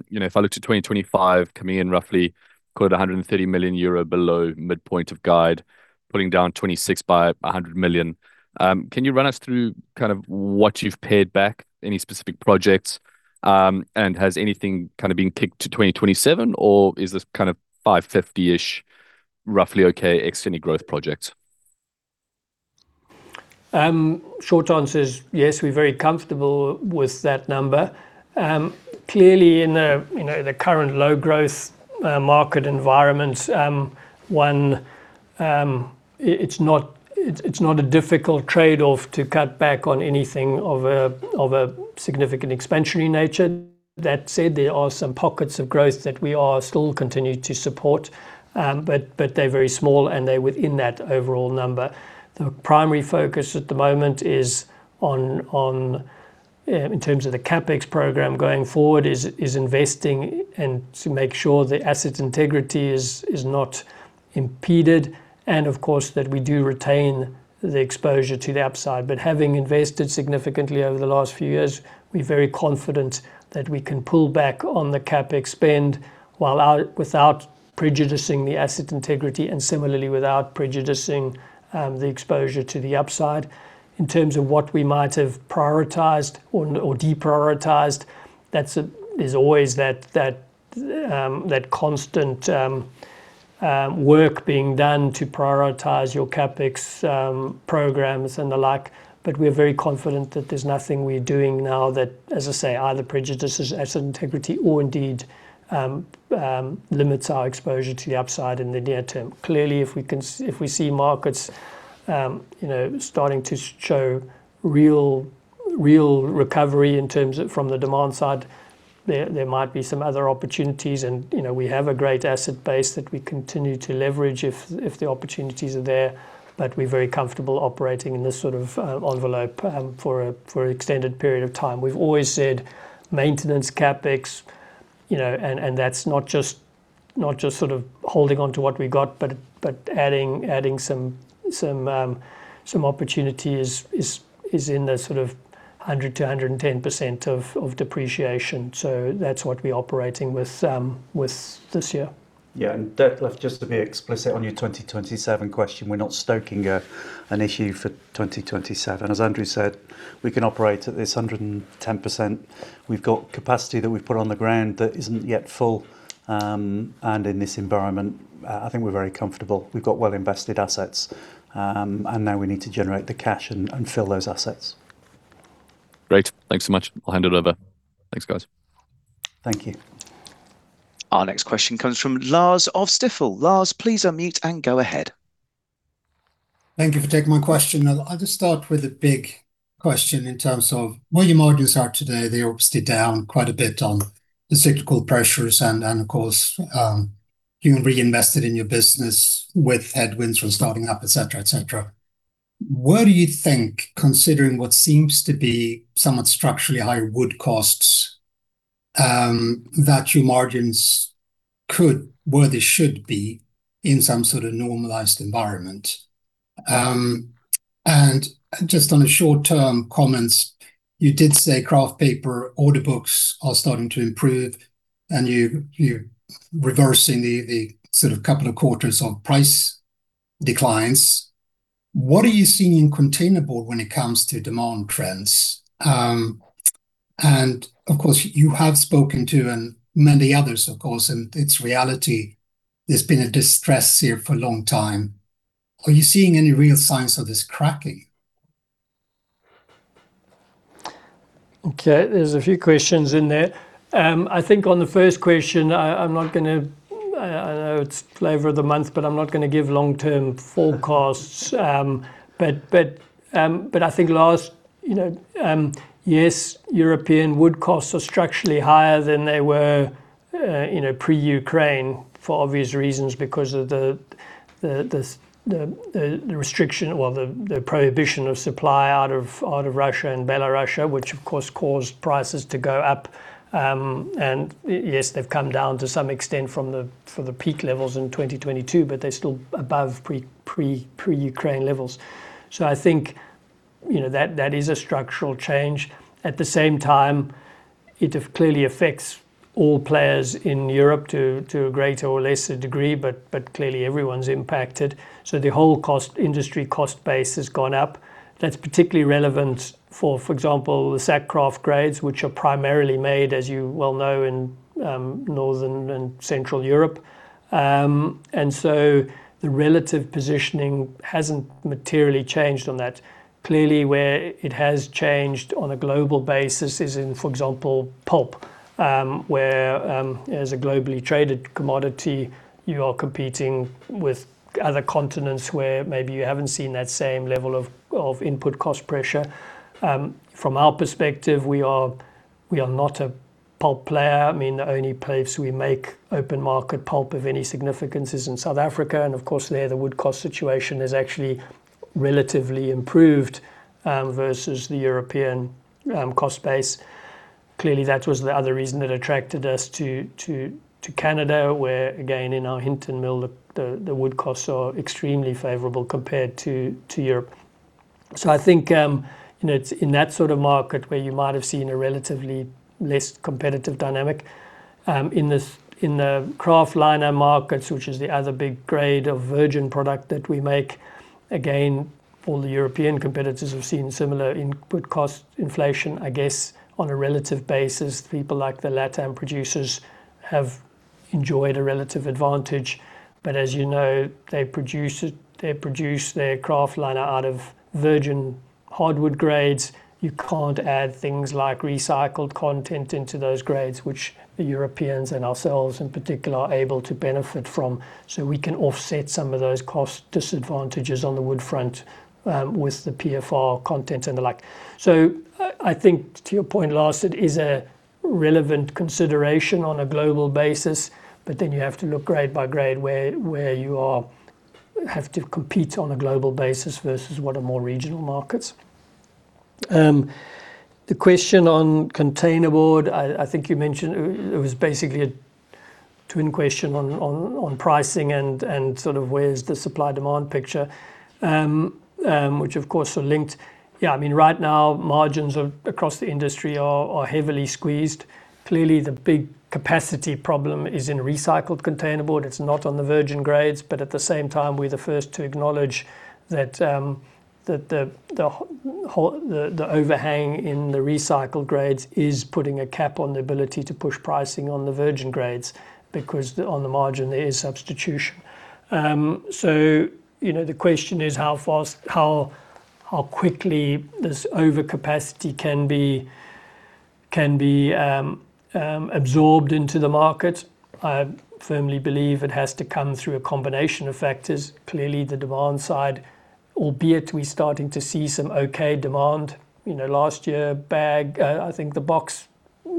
You know, if I look to 2025, coming in roughly quote, 130 million euro below midpoint of guide, putting down 2026 by 100 million. Can you run us through kind of what you've paid back, any specific projects? And has anything kind of been kicked to 2027, or is this kind of 550 million-ish roughly okay, extending growth project? Short answer is, yes, we're very comfortable with that number. Clearly in the, you know, the current low growth market environment, it's not, it's, it's not a difficult trade-off to cut back on anything of a, of a significant expansionary nature. That said, there are some pockets of growth that we are still continuing to support, but, but they're very small, and they're within that overall number. The primary focus at the moment is on, on, in terms of the CapEx program going forward, is, is investing and to make sure the asset integrity is, is not impeded, and of course, that we do retain the exposure to the upside. But having invested significantly over the last few years, we're very confident that we can pull back on the CapEx spend while without prejudicing the asset integrity, and similarly, without prejudicing the exposure to the upside. In terms of what we might have prioritized or deprioritized, that's there's always that constant work being done to prioritize your CapEx programs and the like, but we're very confident that there's nothing we're doing now that, as I say, either prejudices asset integrity or indeed limits our exposure to the upside in the near term. Clearly, if we see markets, you know, starting to show real recovery in terms of from the demand side, there might be some other opportunities. You know, we have a great asset base that we continue to leverage if the opportunities are there, but we're very comfortable operating in this sort of envelope for an extended period of time. We've always said maintenance CapEx, you know, and that's not just sort of holding on to what we got, but adding some opportunities in the sort of 100%-110% of depreciation. So that's what we're operating with this year. Yeah, and Detlef, just to be explicit on your 2027 question, we're not stoking an issue for 2027. As Andrew said, we can operate at this 110%. We've got capacity that we've put on the ground that isn't yet full. And in this environment, I think we're very comfortable. We've got well-invested assets, and now we need to generate the cash and fill those assets. Great. Thanks so much. I'll hand it over. Thanks, guys. Thank you. Our next question comes from Lars of Stifel. Lars, please unmute and go ahead. Thank you for taking my question. I'll just start with a big question in terms of where your margins are today. They're obviously down quite a bit on the cyclical pressures and, and of course, you can reinvest it in your business with headwinds from starting up, et cetera, et cetera. Where do you think, considering what seems to be somewhat structurally higher wood costs, that your margins could, where they should be in some sort of normalized environment? And just on a short-term comments, you did say Kraft paper order books are starting to improve, and you, you reversing the, the sort of couple of quarters of price declines. What are you seeing in containerboard when it comes to demand trends? And of course, you have spoken to Andrew and many others, of course, and in reality, there's been a distress here for a long time. Are you seeing any real signs of this cracking? Okay, there's a few questions in there. I think on the first question, I'm not gonna, I know it's flavor of the month, but I'm not gonna give long-term forecasts. But I think, you know, yes, European wood costs are structurally higher than they were, you know, pre-Ukraine for obvious reasons, because of the restriction, well, the prohibition of supply out of Russia and Belarus, which of course, caused prices to go up. And yes, they've come down to some extent from the peak levels in 2022, but they're still above pre-Ukraine levels. So I think, you know, that is a structural change. At the same time, it clearly affects all players in Europe to a greater or lesser degree, but clearly everyone's impacted. So the whole cost, industry cost base has gone up. That's particularly relevant for, for example, the sack kraft grades, which are primarily made, as you well know, in Northern and Central Europe. And so the relative positioning hasn't materially changed on that. Clearly, where it has changed on a global basis is in, for example, pulp, where, as a globally traded commodity, you are competing with other continents where maybe you haven't seen that same level of input cost pressure. From our perspective, we are, we are not a pulp player. I mean, the only place we make open market pulp of any significance is in South Africa, and of course, there, the wood cost situation is actually relatively improved versus the European cost base. Clearly, that was the other reason that attracted us to Canada, where, again, in our Hinton mill, the wood costs are extremely favorable compared to Europe. So I think, you know, it's in that sort of market where you might have seen a relatively less competitive dynamic. In the kraftliner markets, which is the other big grade of virgin product that we make, again, all the European competitors have seen similar input cost inflation. I guess on a relative basis, people like the Latam producers have enjoyed a relative advantage. But as you know, they produce their kraftliner out of virgin hardwood grades. You can't add things like recycled content into those grades, which the Europeans and ourselves, in particular, are able to benefit from, so we can offset some of those cost disadvantages on the wood front with the PFR content and the like. So I think to your point, Lars, it is a relevant consideration on a global basis, but then you have to look grade by grade, where you have to compete on a global basis versus what are more regional markets. The question on containerboard, I think you mentioned it, it was basically a twin question on pricing and sort of where's the supply-demand picture, which of course are linked. Yeah, I mean, right now, margins across the industry are heavily squeezed. Clearly, the big capacity problem is in recycled containerboard. It's not on the virgin grades, but at the same time, we're the first to acknowledge that the overhang in the recycled grades is putting a cap on the ability to push pricing on the virgin grades, because on the margin, there is substitution. So you know, the question is how quickly this overcapacity can be absorbed into the market. I firmly believe it has to come through a combination of factors. Clearly, the demand side, albeit we're starting to see some okay demand. You know, last year, I think the box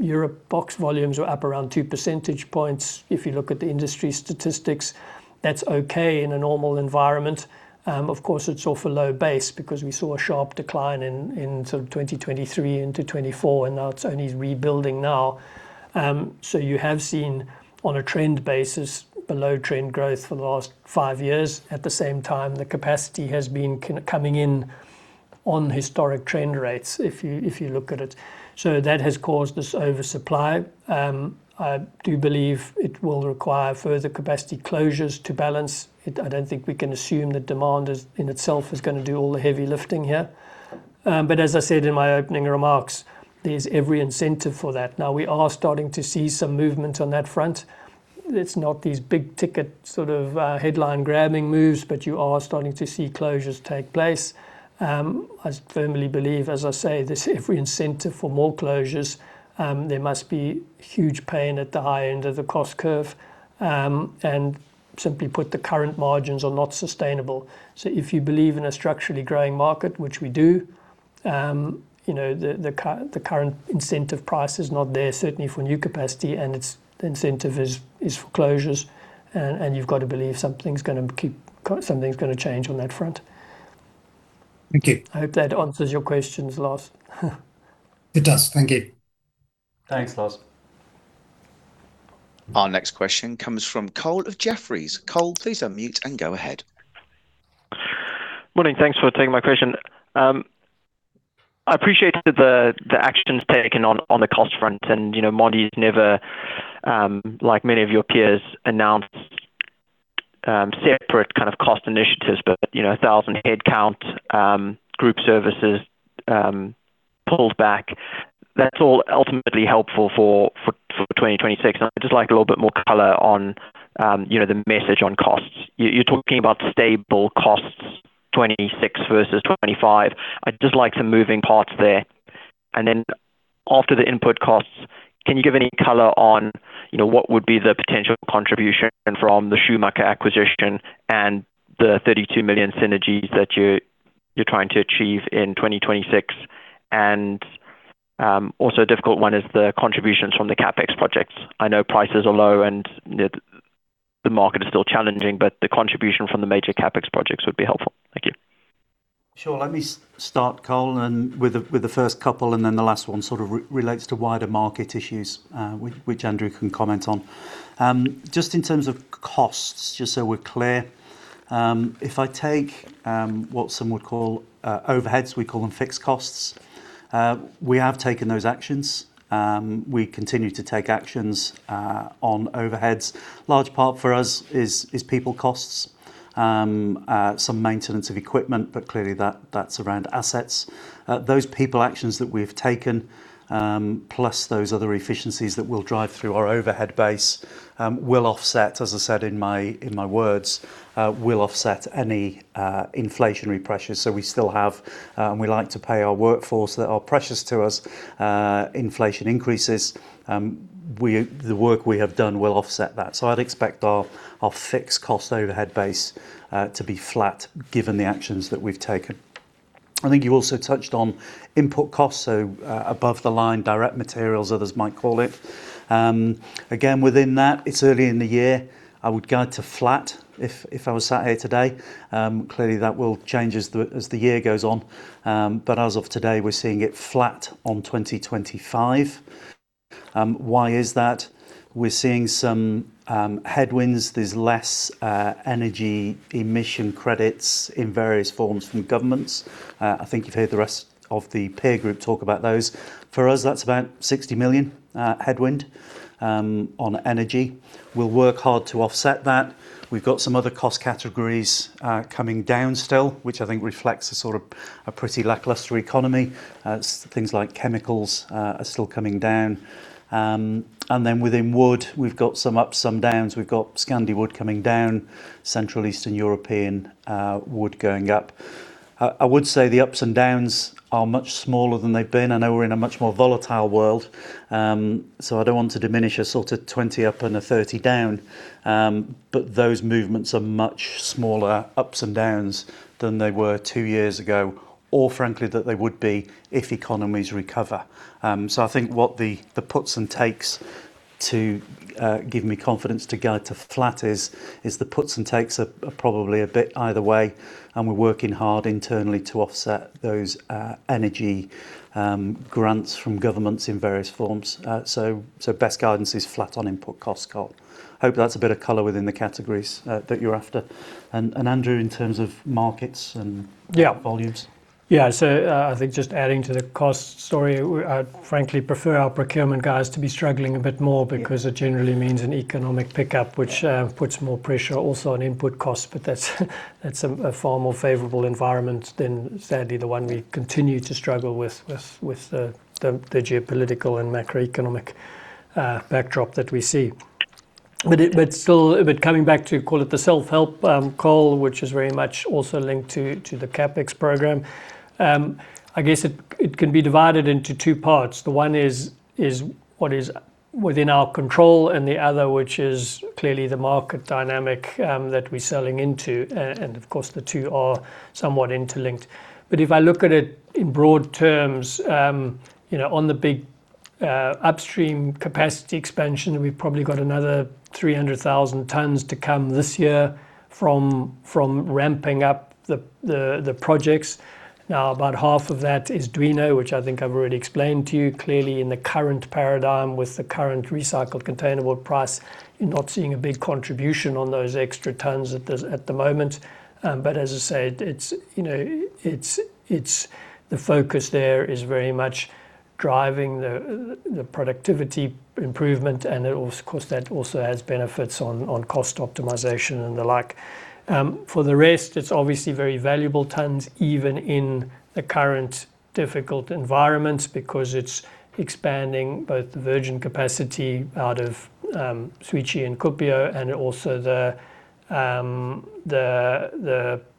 Europe box volumes were up around two percentage points. If you look at the industry statistics, that's okay in a normal environment. Of course, it's off a low base because we saw a sharp decline in sort of 2023 into 2024, and now it's only rebuilding now. So you have seen, on a trend basis, below trend growth for the last five years. At the same time, the capacity has been coming in on historic trend rates, if you look at it. So that has caused this oversupply. I do believe it will require further capacity closures to balance it. I don't think we can assume that demand, in itself, is gonna do all the heavy lifting here. But as I said in my opening remarks, there's every incentive for that. Now, we are starting to see some movement on that front. It's not these big-ticket sort of headline-grabbing moves, but you are starting to see closures take place. I firmly believe, as I say, there's every incentive for more closures, there must be huge pain at the high end of the cost curve. And simply put, the current margins are not sustainable. So if you believe in a structurally growing market, which we do—you know, the current incentive price is not there, certainly for new capacity, and its incentive is for closures. And you've got to believe something's gonna change on that front. Thank you. I hope that answers your questions, Lars. It does. Thank you. Thanks, Lars. Our next question comes from Cole of Jefferies. Cole, please unmute and go ahead. Morning. Thanks for taking my question. I appreciate the actions taken on the cost front, and, you know, Mondi has never, like many of your peers, announced separate kind of cost initiatives, but, you know, 1,000 headcount, group services, pulled back. That's all ultimately helpful for 2026. I'd just like a little bit more color on, you know, the message on costs. You're talking about stable costs, 2026 versus 2025. I'd just like some moving parts there. And then after the input costs, can you give any color on, you know, what would be the potential contribution from the Schumacher acquisition and the 32 million synergies that you're trying to achieve in 2026? And, also a difficult one is the contributions from the CapEx projects. I know prices are low, and the market is still challenging, but the contribution from the major CapEx projects would be helpful. Thank you. Sure. Let me start, Cole, with the first couple, and then the last one sort of relates to wider market issues, which Andrew can comment on. Just in terms of costs, just so we're clear, if I take what some would call overheads, we call them fixed costs, we have taken those actions. We continue to take actions on overheads. Large part for us is people costs, some maintenance of equipment, but clearly that's around assets. Those people actions that we've taken, plus those other efficiencies that we'll drive through our overhead base, will offset, as I said in my words, will offset any inflationary pressures. So we still have, and we like to pay our workforce that are precious to us, inflation increases. The work we have done will offset that. So I'd expect our fixed cost overhead base to be flat, given the actions that we've taken. I think you also touched on input costs, so, above the line, direct materials, others might call it. Again, within that, it's early in the year. I would guide to flat if I was sat here today. Clearly, that will change as the year goes on. But as of today, we're seeing it flat on 2025. Why is that? We're seeing some headwinds. There's less energy emissions credits in various forms from governments. I think you've heard the rest of the peer group talk about those. For us, that's about 60 million headwind on energy. We'll work hard to offset that. We've got some other cost categories coming down still, which I think reflects a sort of a pretty lackluster economy. It's things like chemicals are still coming down. And then within wood, we've got some ups, some downs. We've got Scandi wood coming down, Central Eastern European wood going up. I would say the ups and downs are much smaller than they've been. I know we're in a much more volatile world, so I don't want to diminish a sort of 20 up and a 30 down. But those movements are much smaller ups and downs than they were two years ago, or frankly, that they would be if economies recover. So I think what the, the puts and takes to give me confidence to go to flat is, is the puts and takes are, are probably a bit either way, and we're working hard internally to offset those energy grants from governments in various forms. So, so best guidance is flat on input costs, Cole. Hope that's a bit of color within the categories that you're after. And, and, Andrew, in terms of markets and- Yeah... volumes. Yeah, so, I think just adding to the cost story, we, I'd frankly prefer our procurement guys to be struggling a bit more because it generally means an economic pickup, which puts more pressure also on input costs, but that's a far more favorable environment than sadly, the one we continue to struggle with, with the geopolitical and macroeconomic backdrop that we see. It- But coming back to call it the self-help, Cole, which is very much also linked to the CapEx programme, I guess it can be divided into two parts. The one is what is within our control and the other, which is clearly the market dynamic that we're selling into, and of course, the two are somewhat interlinked. But if I look at it in broad terms, you know, on the big upstream capacity expansion, we've probably got another 300,000 tonnes to come this year from ramping up the projects. Now, about half of that is Duino, which I think I've already explained to you clearly in the current paradigm with the current recycled containerboard price, not seeing a big contribution on those extra tonnes at the moment. But as I said, it's, you know, it's the focus there is very much driving the productivity improvement, and it also has benefits on cost optimization and the like. For the rest, it's obviously very valuable tons, even in the current difficult environment, because it's expanding both the virgin capacity out of Świecie and Kuopio, and also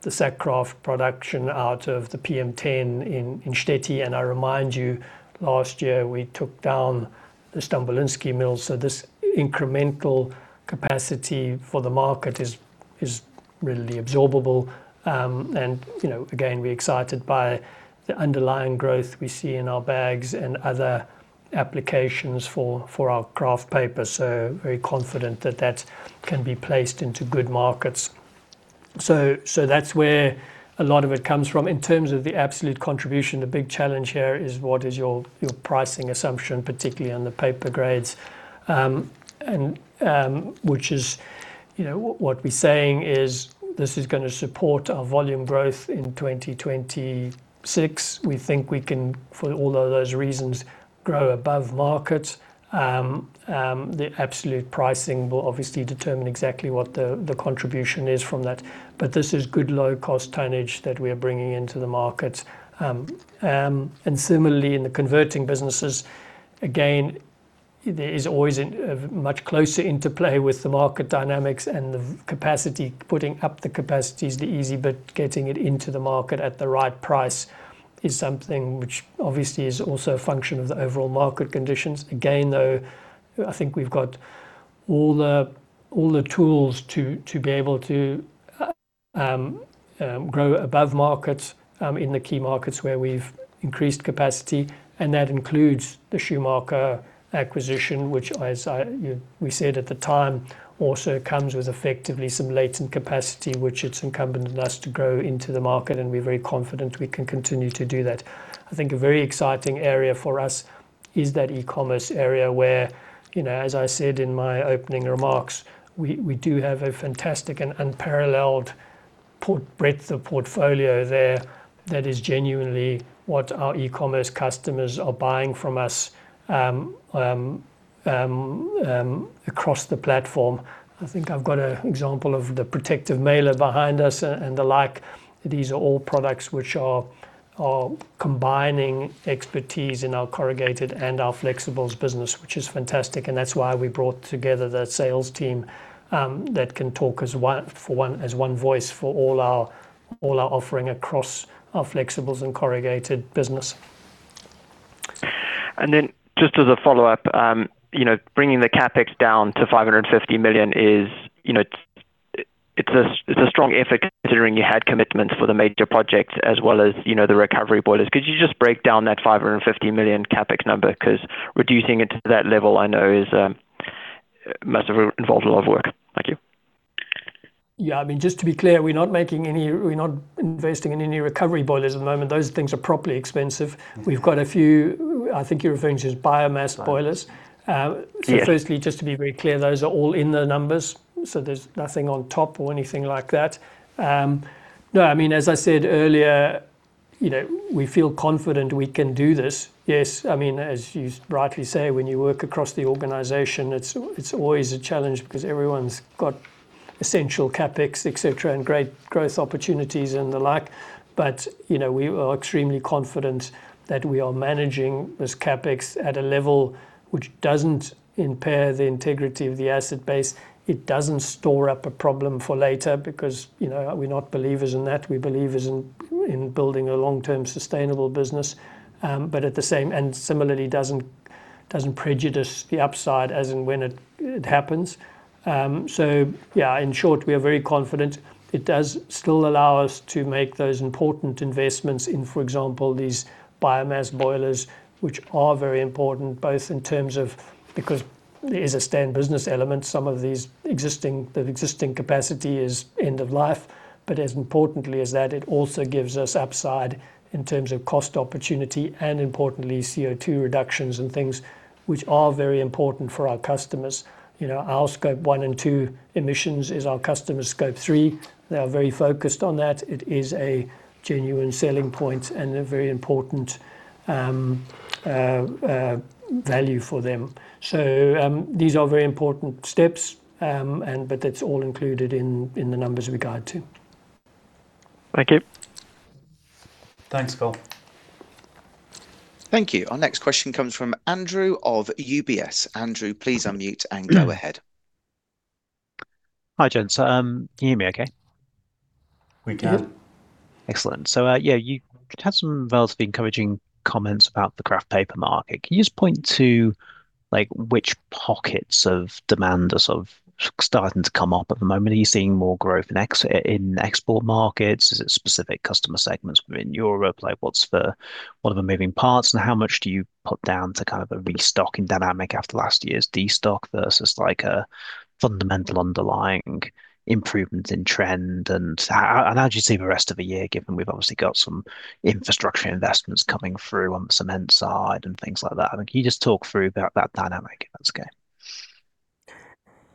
the sack kraft production out of the PM10 in Štětí. And I remind you, last year, we took down the Stolbtsy mill, so this incremental capacity for the market is readily absorbable. And, you know, again, we're excited by the underlying growth we see in our bags and other applications for our kraft paper, so very confident that that can be placed into good markets. So that's where a lot of it comes from. In terms of the absolute contribution, the big challenge here is what is your pricing assumption, particularly on the paper grades. And which is, you know, what we're saying is this is gonna support our volume growth in 2026. We think we can, for all of those reasons, grow above market. The absolute pricing will obviously determine exactly what the contribution is from that, but this is good low-cost tonnage that we are bringing into the market. And similarly, in the converting businesses, again, there is always a much closer interplay with the market dynamics and the capacity. Putting up the capacity is the easy bit, getting it into the market at the right price is something which obviously is also a function of the overall market conditions. Again, though, I think we've got all the tools to be able to grow above market in the key markets where we've increased capacity, and that includes the Schumacher acquisition, which as I, you know, we said at the time, also comes with effectively some latent capacity, which it's incumbent on us to grow into the market, and we're very confident we can continue to do that. I think a very exciting area for us is that e-commerce area where, you know, as I said in my opening remarks, we do have a fantastic and unparalleled port-- breadth of portfolio there that is genuinely what our e-commerce customers are buying from us across the platform. I think I've got a example of the protective mailer behind us and the like. These are all products which are combining expertise in our corrugated and our flexibles business, which is fantastic, and that's why we brought together the sales team that can talk as one... as one voice for all our offering across our flexibles and corrugated business. And then just as a follow-up, you know, bringing the CapEx down to 550 million is, you know, it's a strong effort, considering you had commitments for the major projects as well as, you know, the recovery boilers. Could you just break down that 550 million CapEx number? 'Cause reducing it to that level, I know is must have involved a lot of work. Thank you. Yeah, I mean, just to be clear, we're not investing in any recovery boilers at the moment. Those things are properly expensive. Mm-hmm. We've got a few, I think you're referring to as biomass boilers. Right. Yeah. So firstly, just to be very clear, those are all in the numbers, so there's nothing on top or anything like that. No, I mean, as I said earlier, you know, we feel confident we can do this. Yes, I mean, as you rightly say, when you work across the organization, it's always a challenge because everyone's got essential CapEx, et cetera, and great growth opportunities and the like. But, you know, we are extremely confident that we are managing this CapEx at a level which doesn't impair the integrity of the asset base. It doesn't store up a problem for later because, you know, we're not believers in that. We believe in building a long-term sustainable business, but at the same... and similarly, doesn't prejudice the upside as and when it happens. So yeah, in short, we are very confident. It does still allow us to make those important investments in, for example, these biomass boilers, which are very important both in terms of, because as a stand business element, the existing capacity is end of life. But as importantly as that, it also gives us upside in terms of cost opportunity and importantly, CO2 reductions and things, which are very important for our customers. You know, our Scope 1 and 2 emissions is our customers' Scope 3. They are very focused on that. It is a genuine selling point and a very important value for them. So, these are very important steps, but that's all included in the numbers we guide to. Thank you. Thanks, Cole. Thank you. Our next question comes from Andrew of UBS. Andrew, please unmute and go ahead. Hi, gents. Can you hear me okay? We can. Mm-hmm. Excellent. So, yeah, you've had some relatively encouraging comments about the Kraft paper market. Can you just point to, like, which pockets of demand are sort of starting to come up at the moment? Are you seeing more growth in export markets? Is it specific customer segments within Europe? Like, what's the, what are the moving parts, and how much do you put down to kind of a restocking dynamic after last year's destock versus, like, a fundamental underlying improvement in trend? And how, and how do you see the rest of the year, given we've obviously got some infrastructure investments coming through on the cement side and things like that? I mean, can you just talk through that, that dynamic, if that's okay?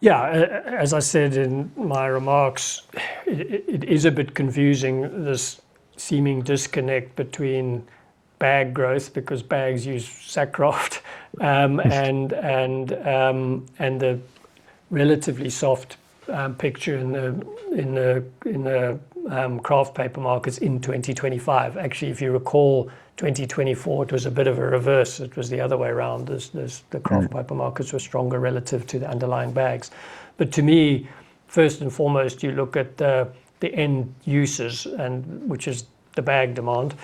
Yeah. As I said in my remarks, it, it is a bit confusing, this seeming disconnect between bag growth, because bags use Sack Kraft, Mm-hmm... and the relatively soft picture in the Kraft paper markets in 2025. Actually, if you recall 2024, it was a bit of a reverse. It was the other way around, as this- Mm-hmm... the Kraft paper markets were stronger relative to the underlying bags. But to me, first and foremost, you look at the end users and which is the bag demand,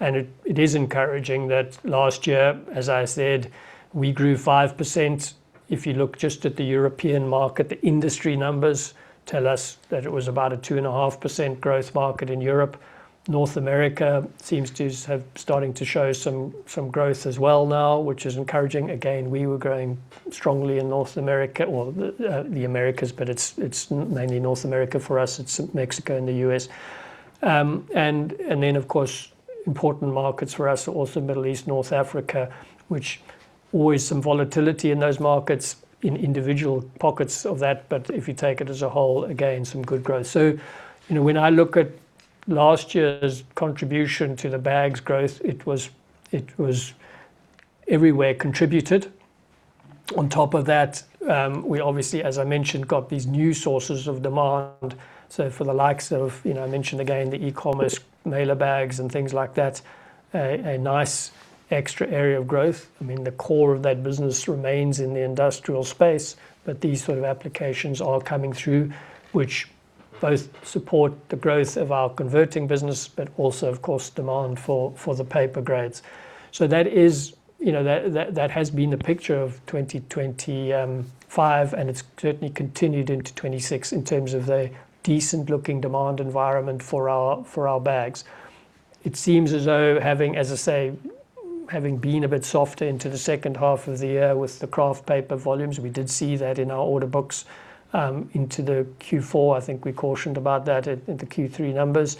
and it is encouraging that last year, as I said, we grew 5%.... If you look just at the European market, the industry numbers tell us that it was about a 2.5% growth market in Europe. North America seems to have starting to show some growth as well now, which is encouraging. Again, we were growing strongly in North America, well, the Americas, but it's mainly North America. For us, it's Mexico and the U.S. And then, of course, important markets for us are also Middle East, North Africa, which always some volatility in those markets, in individual pockets of that, but if you take it as a whole, again, some good growth. So, you know, when I look at last year's contribution to the bags growth, it was everywhere contributed. On top of that, we obviously, as I mentioned, got these new sources of demand. So for the likes of, you know, I mentioned again, the e-commerce mailer bags and things like that, a nice extra area of growth. I mean, the core of that business remains in the industrial space, but these sort of applications are coming through, which both support the growth of our converting business, but also, of course, demand for the paper grades. So that is, you know, that has been the picture of 2025, and it's certainly continued into 2026 in terms of a decent-looking demand environment for our bags. It seems as though, as I say, having been a bit softer into the second half of the year with the kraft paper volumes, we did see that in our order books into the Q4. I think we cautioned about that at the Q3 numbers.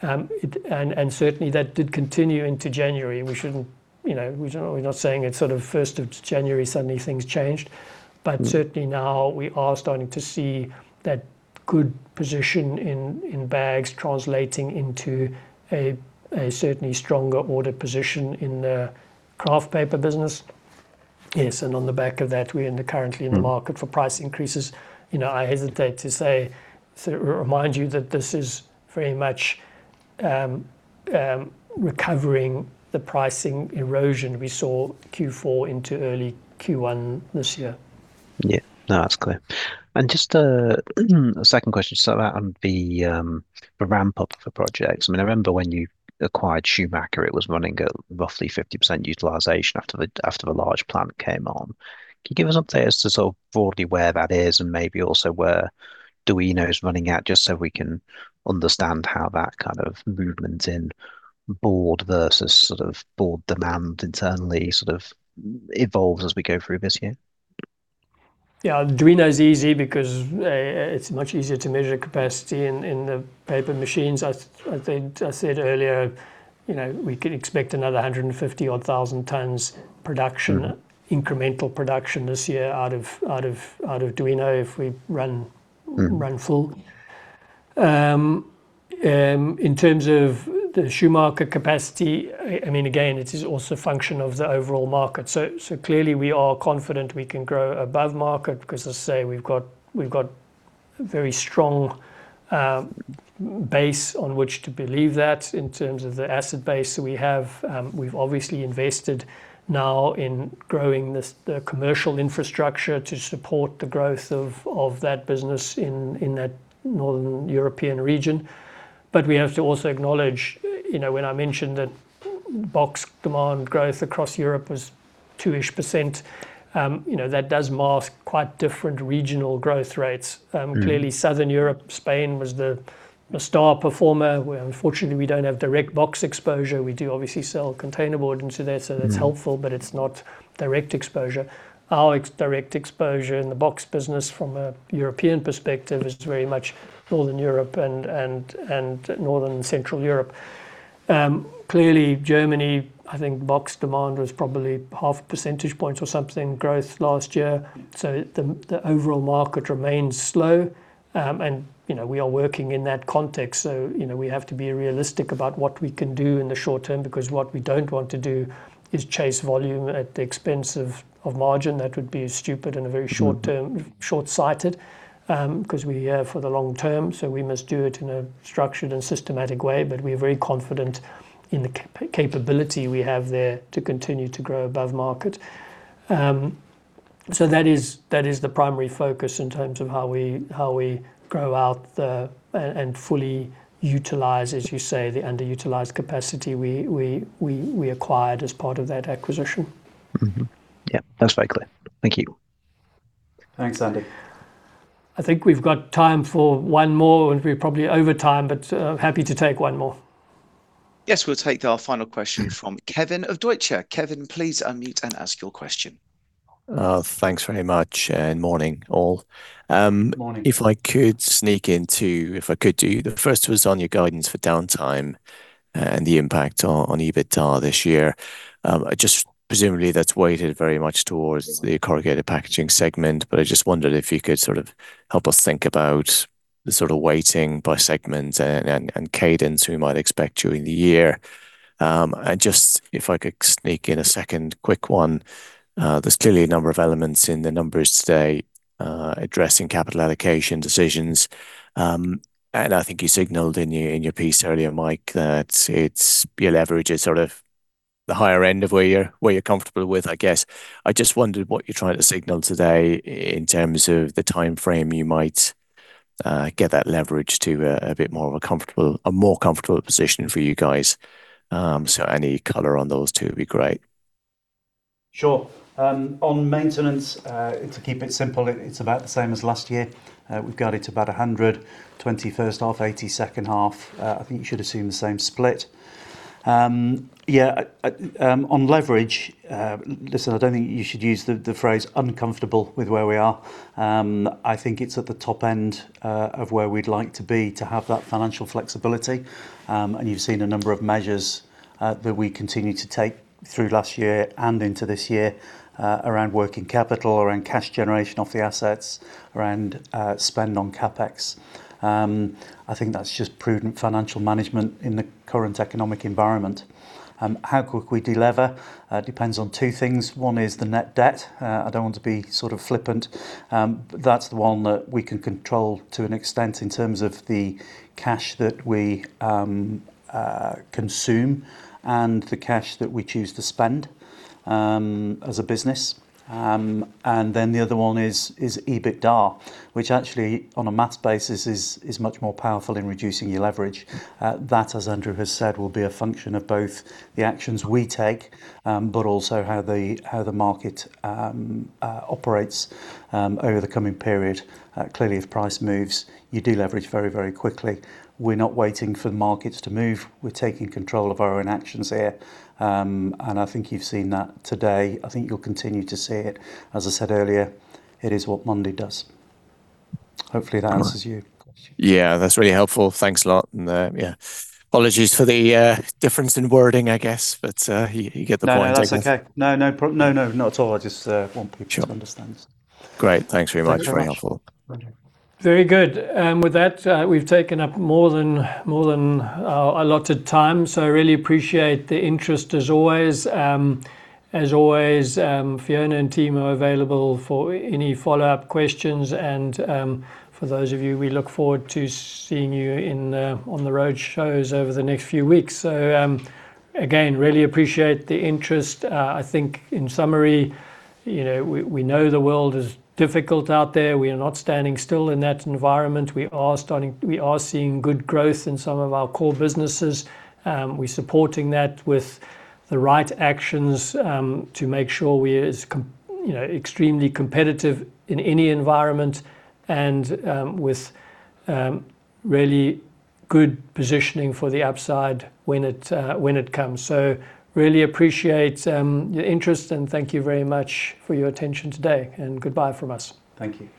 Certainly that did continue into January, and we shouldn't, you know, we're generally not saying it's sort of first of January, suddenly things changed. But certainly now, we are starting to see that good position in bags translating into a certainly stronger order position in the kraft paper business. Yes, and on the back of that, we're currently in the market for price increases. You know, I hesitate to say, so remind you that this is very much recovering the pricing erosion we saw Q4 into early Q1 this year. Yeah. No, that's clear. Just a second question, so on the ramp-up of the projects. I mean, I remember when you acquired Schumacher, it was running at roughly 50% utilization after the large plant came on. Can you give us an update as to sort of broadly where that is and maybe also where Duino is running at, just so we can understand how that kind of movement in board versus sort of board demand internally sort of evolves as we go through this year? Yeah, Duino is easy because it's much easier to measure capacity in the paper machines. As I said earlier, you know, we could expect another 150-odd thousand tons production- Mm... incremental production this year out of Duino if we run- Mm... run full. In terms of the Schumacher capacity, I mean, again, it is also a function of the overall market. So clearly, we are confident we can grow above market, because as I say, we've got very strong base on which to believe that in terms of the asset base. So we have, we've obviously invested now in growing the commercial infrastructure to support the growth of that business in that Northern European region. But we have to also acknowledge, you know, when I mentioned that box demand growth across Europe was 2%-ish, you know, that does mask quite different regional growth rates. Mm. Clearly, Southern Europe, Spain was the star performer, where unfortunately, we don't have direct box exposure. We do obviously sell containerboard into there- Mm... so that's helpful, but it's not direct exposure. Our indirect exposure in the box business from a European perspective is very much Northern Europe and Northern Central Europe. Clearly, Germany, I think box demand was probably half a percentage point or something growth last year. Mm. So the overall market remains slow, and, you know, we are working in that context. So, you know, we have to be realistic about what we can do in the short term, because what we don't want to do is chase volume at the expense of margin. That would be stupid and a very short-term- Mm... short-sighted, 'cause we're here for the long term, so we must do it in a structured and systematic way, but we are very confident in the capability we have there to continue to grow above market. So that is the primary focus in terms of how we grow out the... and fully utilize, as you say, the underutilized capacity we acquired as part of that acquisition. Mm-hmm. Yeah, that's very clear. Thank you. Thanks, Andy. I think we've got time for one more, and we're probably over time, but happy to take one more. Yes, we'll take our final question from Kevin of Deutsche. Kevin, please unmute and ask your question. Thanks very much, and morning, all. Good morning. If I could do the first was on your guidance for downtime and the impact on EBITDA this year. Just presumably, that's weighted very much towards the corrugated packaging segment, but I just wondered if you could sort of help us think about the sort of weighting by segment and cadence we might expect during the year. And just if I could sneak in a second quick one. There's clearly a number of elements in the numbers today addressing capital allocation decisions. And I think you signaled in your piece earlier, Mike, that it's your leverage is sort of the higher end of where you're comfortable with, I guess. I just wondered what you're trying to signal today in terms of the timeframe you might get that leverage to a bit more of a comfortable, a more comfortable position for you guys. So any color on those two would be great.... Sure. On maintenance, to keep it simple, it, it's about the same as last year. We've got it to about 120 first half, 80 second half. I think you should assume the same split. Yeah, on leverage, listen, I don't think you should use the, the phrase uncomfortable with where we are. I think it's at the top end, of where we'd like to be to have that financial flexibility. And you've seen a number of measures, that we continue to take through last year and into this year, around working capital, around cash generation off the assets, around, spend on CapEx. I think that's just prudent financial management in the current economic environment. How quick we de-lever, depends on two things. One is the net debt. I don't want to be sort of flippant. That's the one that we can control to an extent in terms of the cash that we consume and the cash that we choose to spend as a business. And then the other one is EBITDA, which actually, on a math basis, is much more powerful in reducing your leverage. That, as Andrew has said, will be a function of both the actions we take, but also how the market operates over the coming period. Clearly, if price moves, you de-leverage very, very quickly. We're not waiting for the markets to move. We're taking control of our own actions here. And I think you've seen that today. I think you'll continue to see it. As I said earlier, it is what Mondi does. Hopefully, that answers your question. Yeah, that's really helpful. Thanks a lot, and, yeah. Apologies for the difference in wording, I guess, but, you, you get the point, I think. No, that's okay. No, no, not at all. I just want to make sure I understand. Great. Thanks very much. Thank you very much. Very helpful. Thank you. Very good. And with that, we've taken up more than, more than, our allotted time, so I really appreciate the interest as always. As always, Fiona and team are available for any follow-up questions. And, for those of you, we look forward to seeing you in the on-the-road shows over the next few weeks. So, again, really appreciate the interest. I think, in summary, you know, we know the world is difficult out there. We are not standing still in that environment. We are starting... We are seeing good growth in some of our core businesses. We're supporting that with the right actions, to make sure we are as com- you know, extremely competitive in any environment and, with, really good positioning for the upside when it, when it comes. Really appreciate your interest, and thank you very much for your attention today, and goodbye from us. Thank you.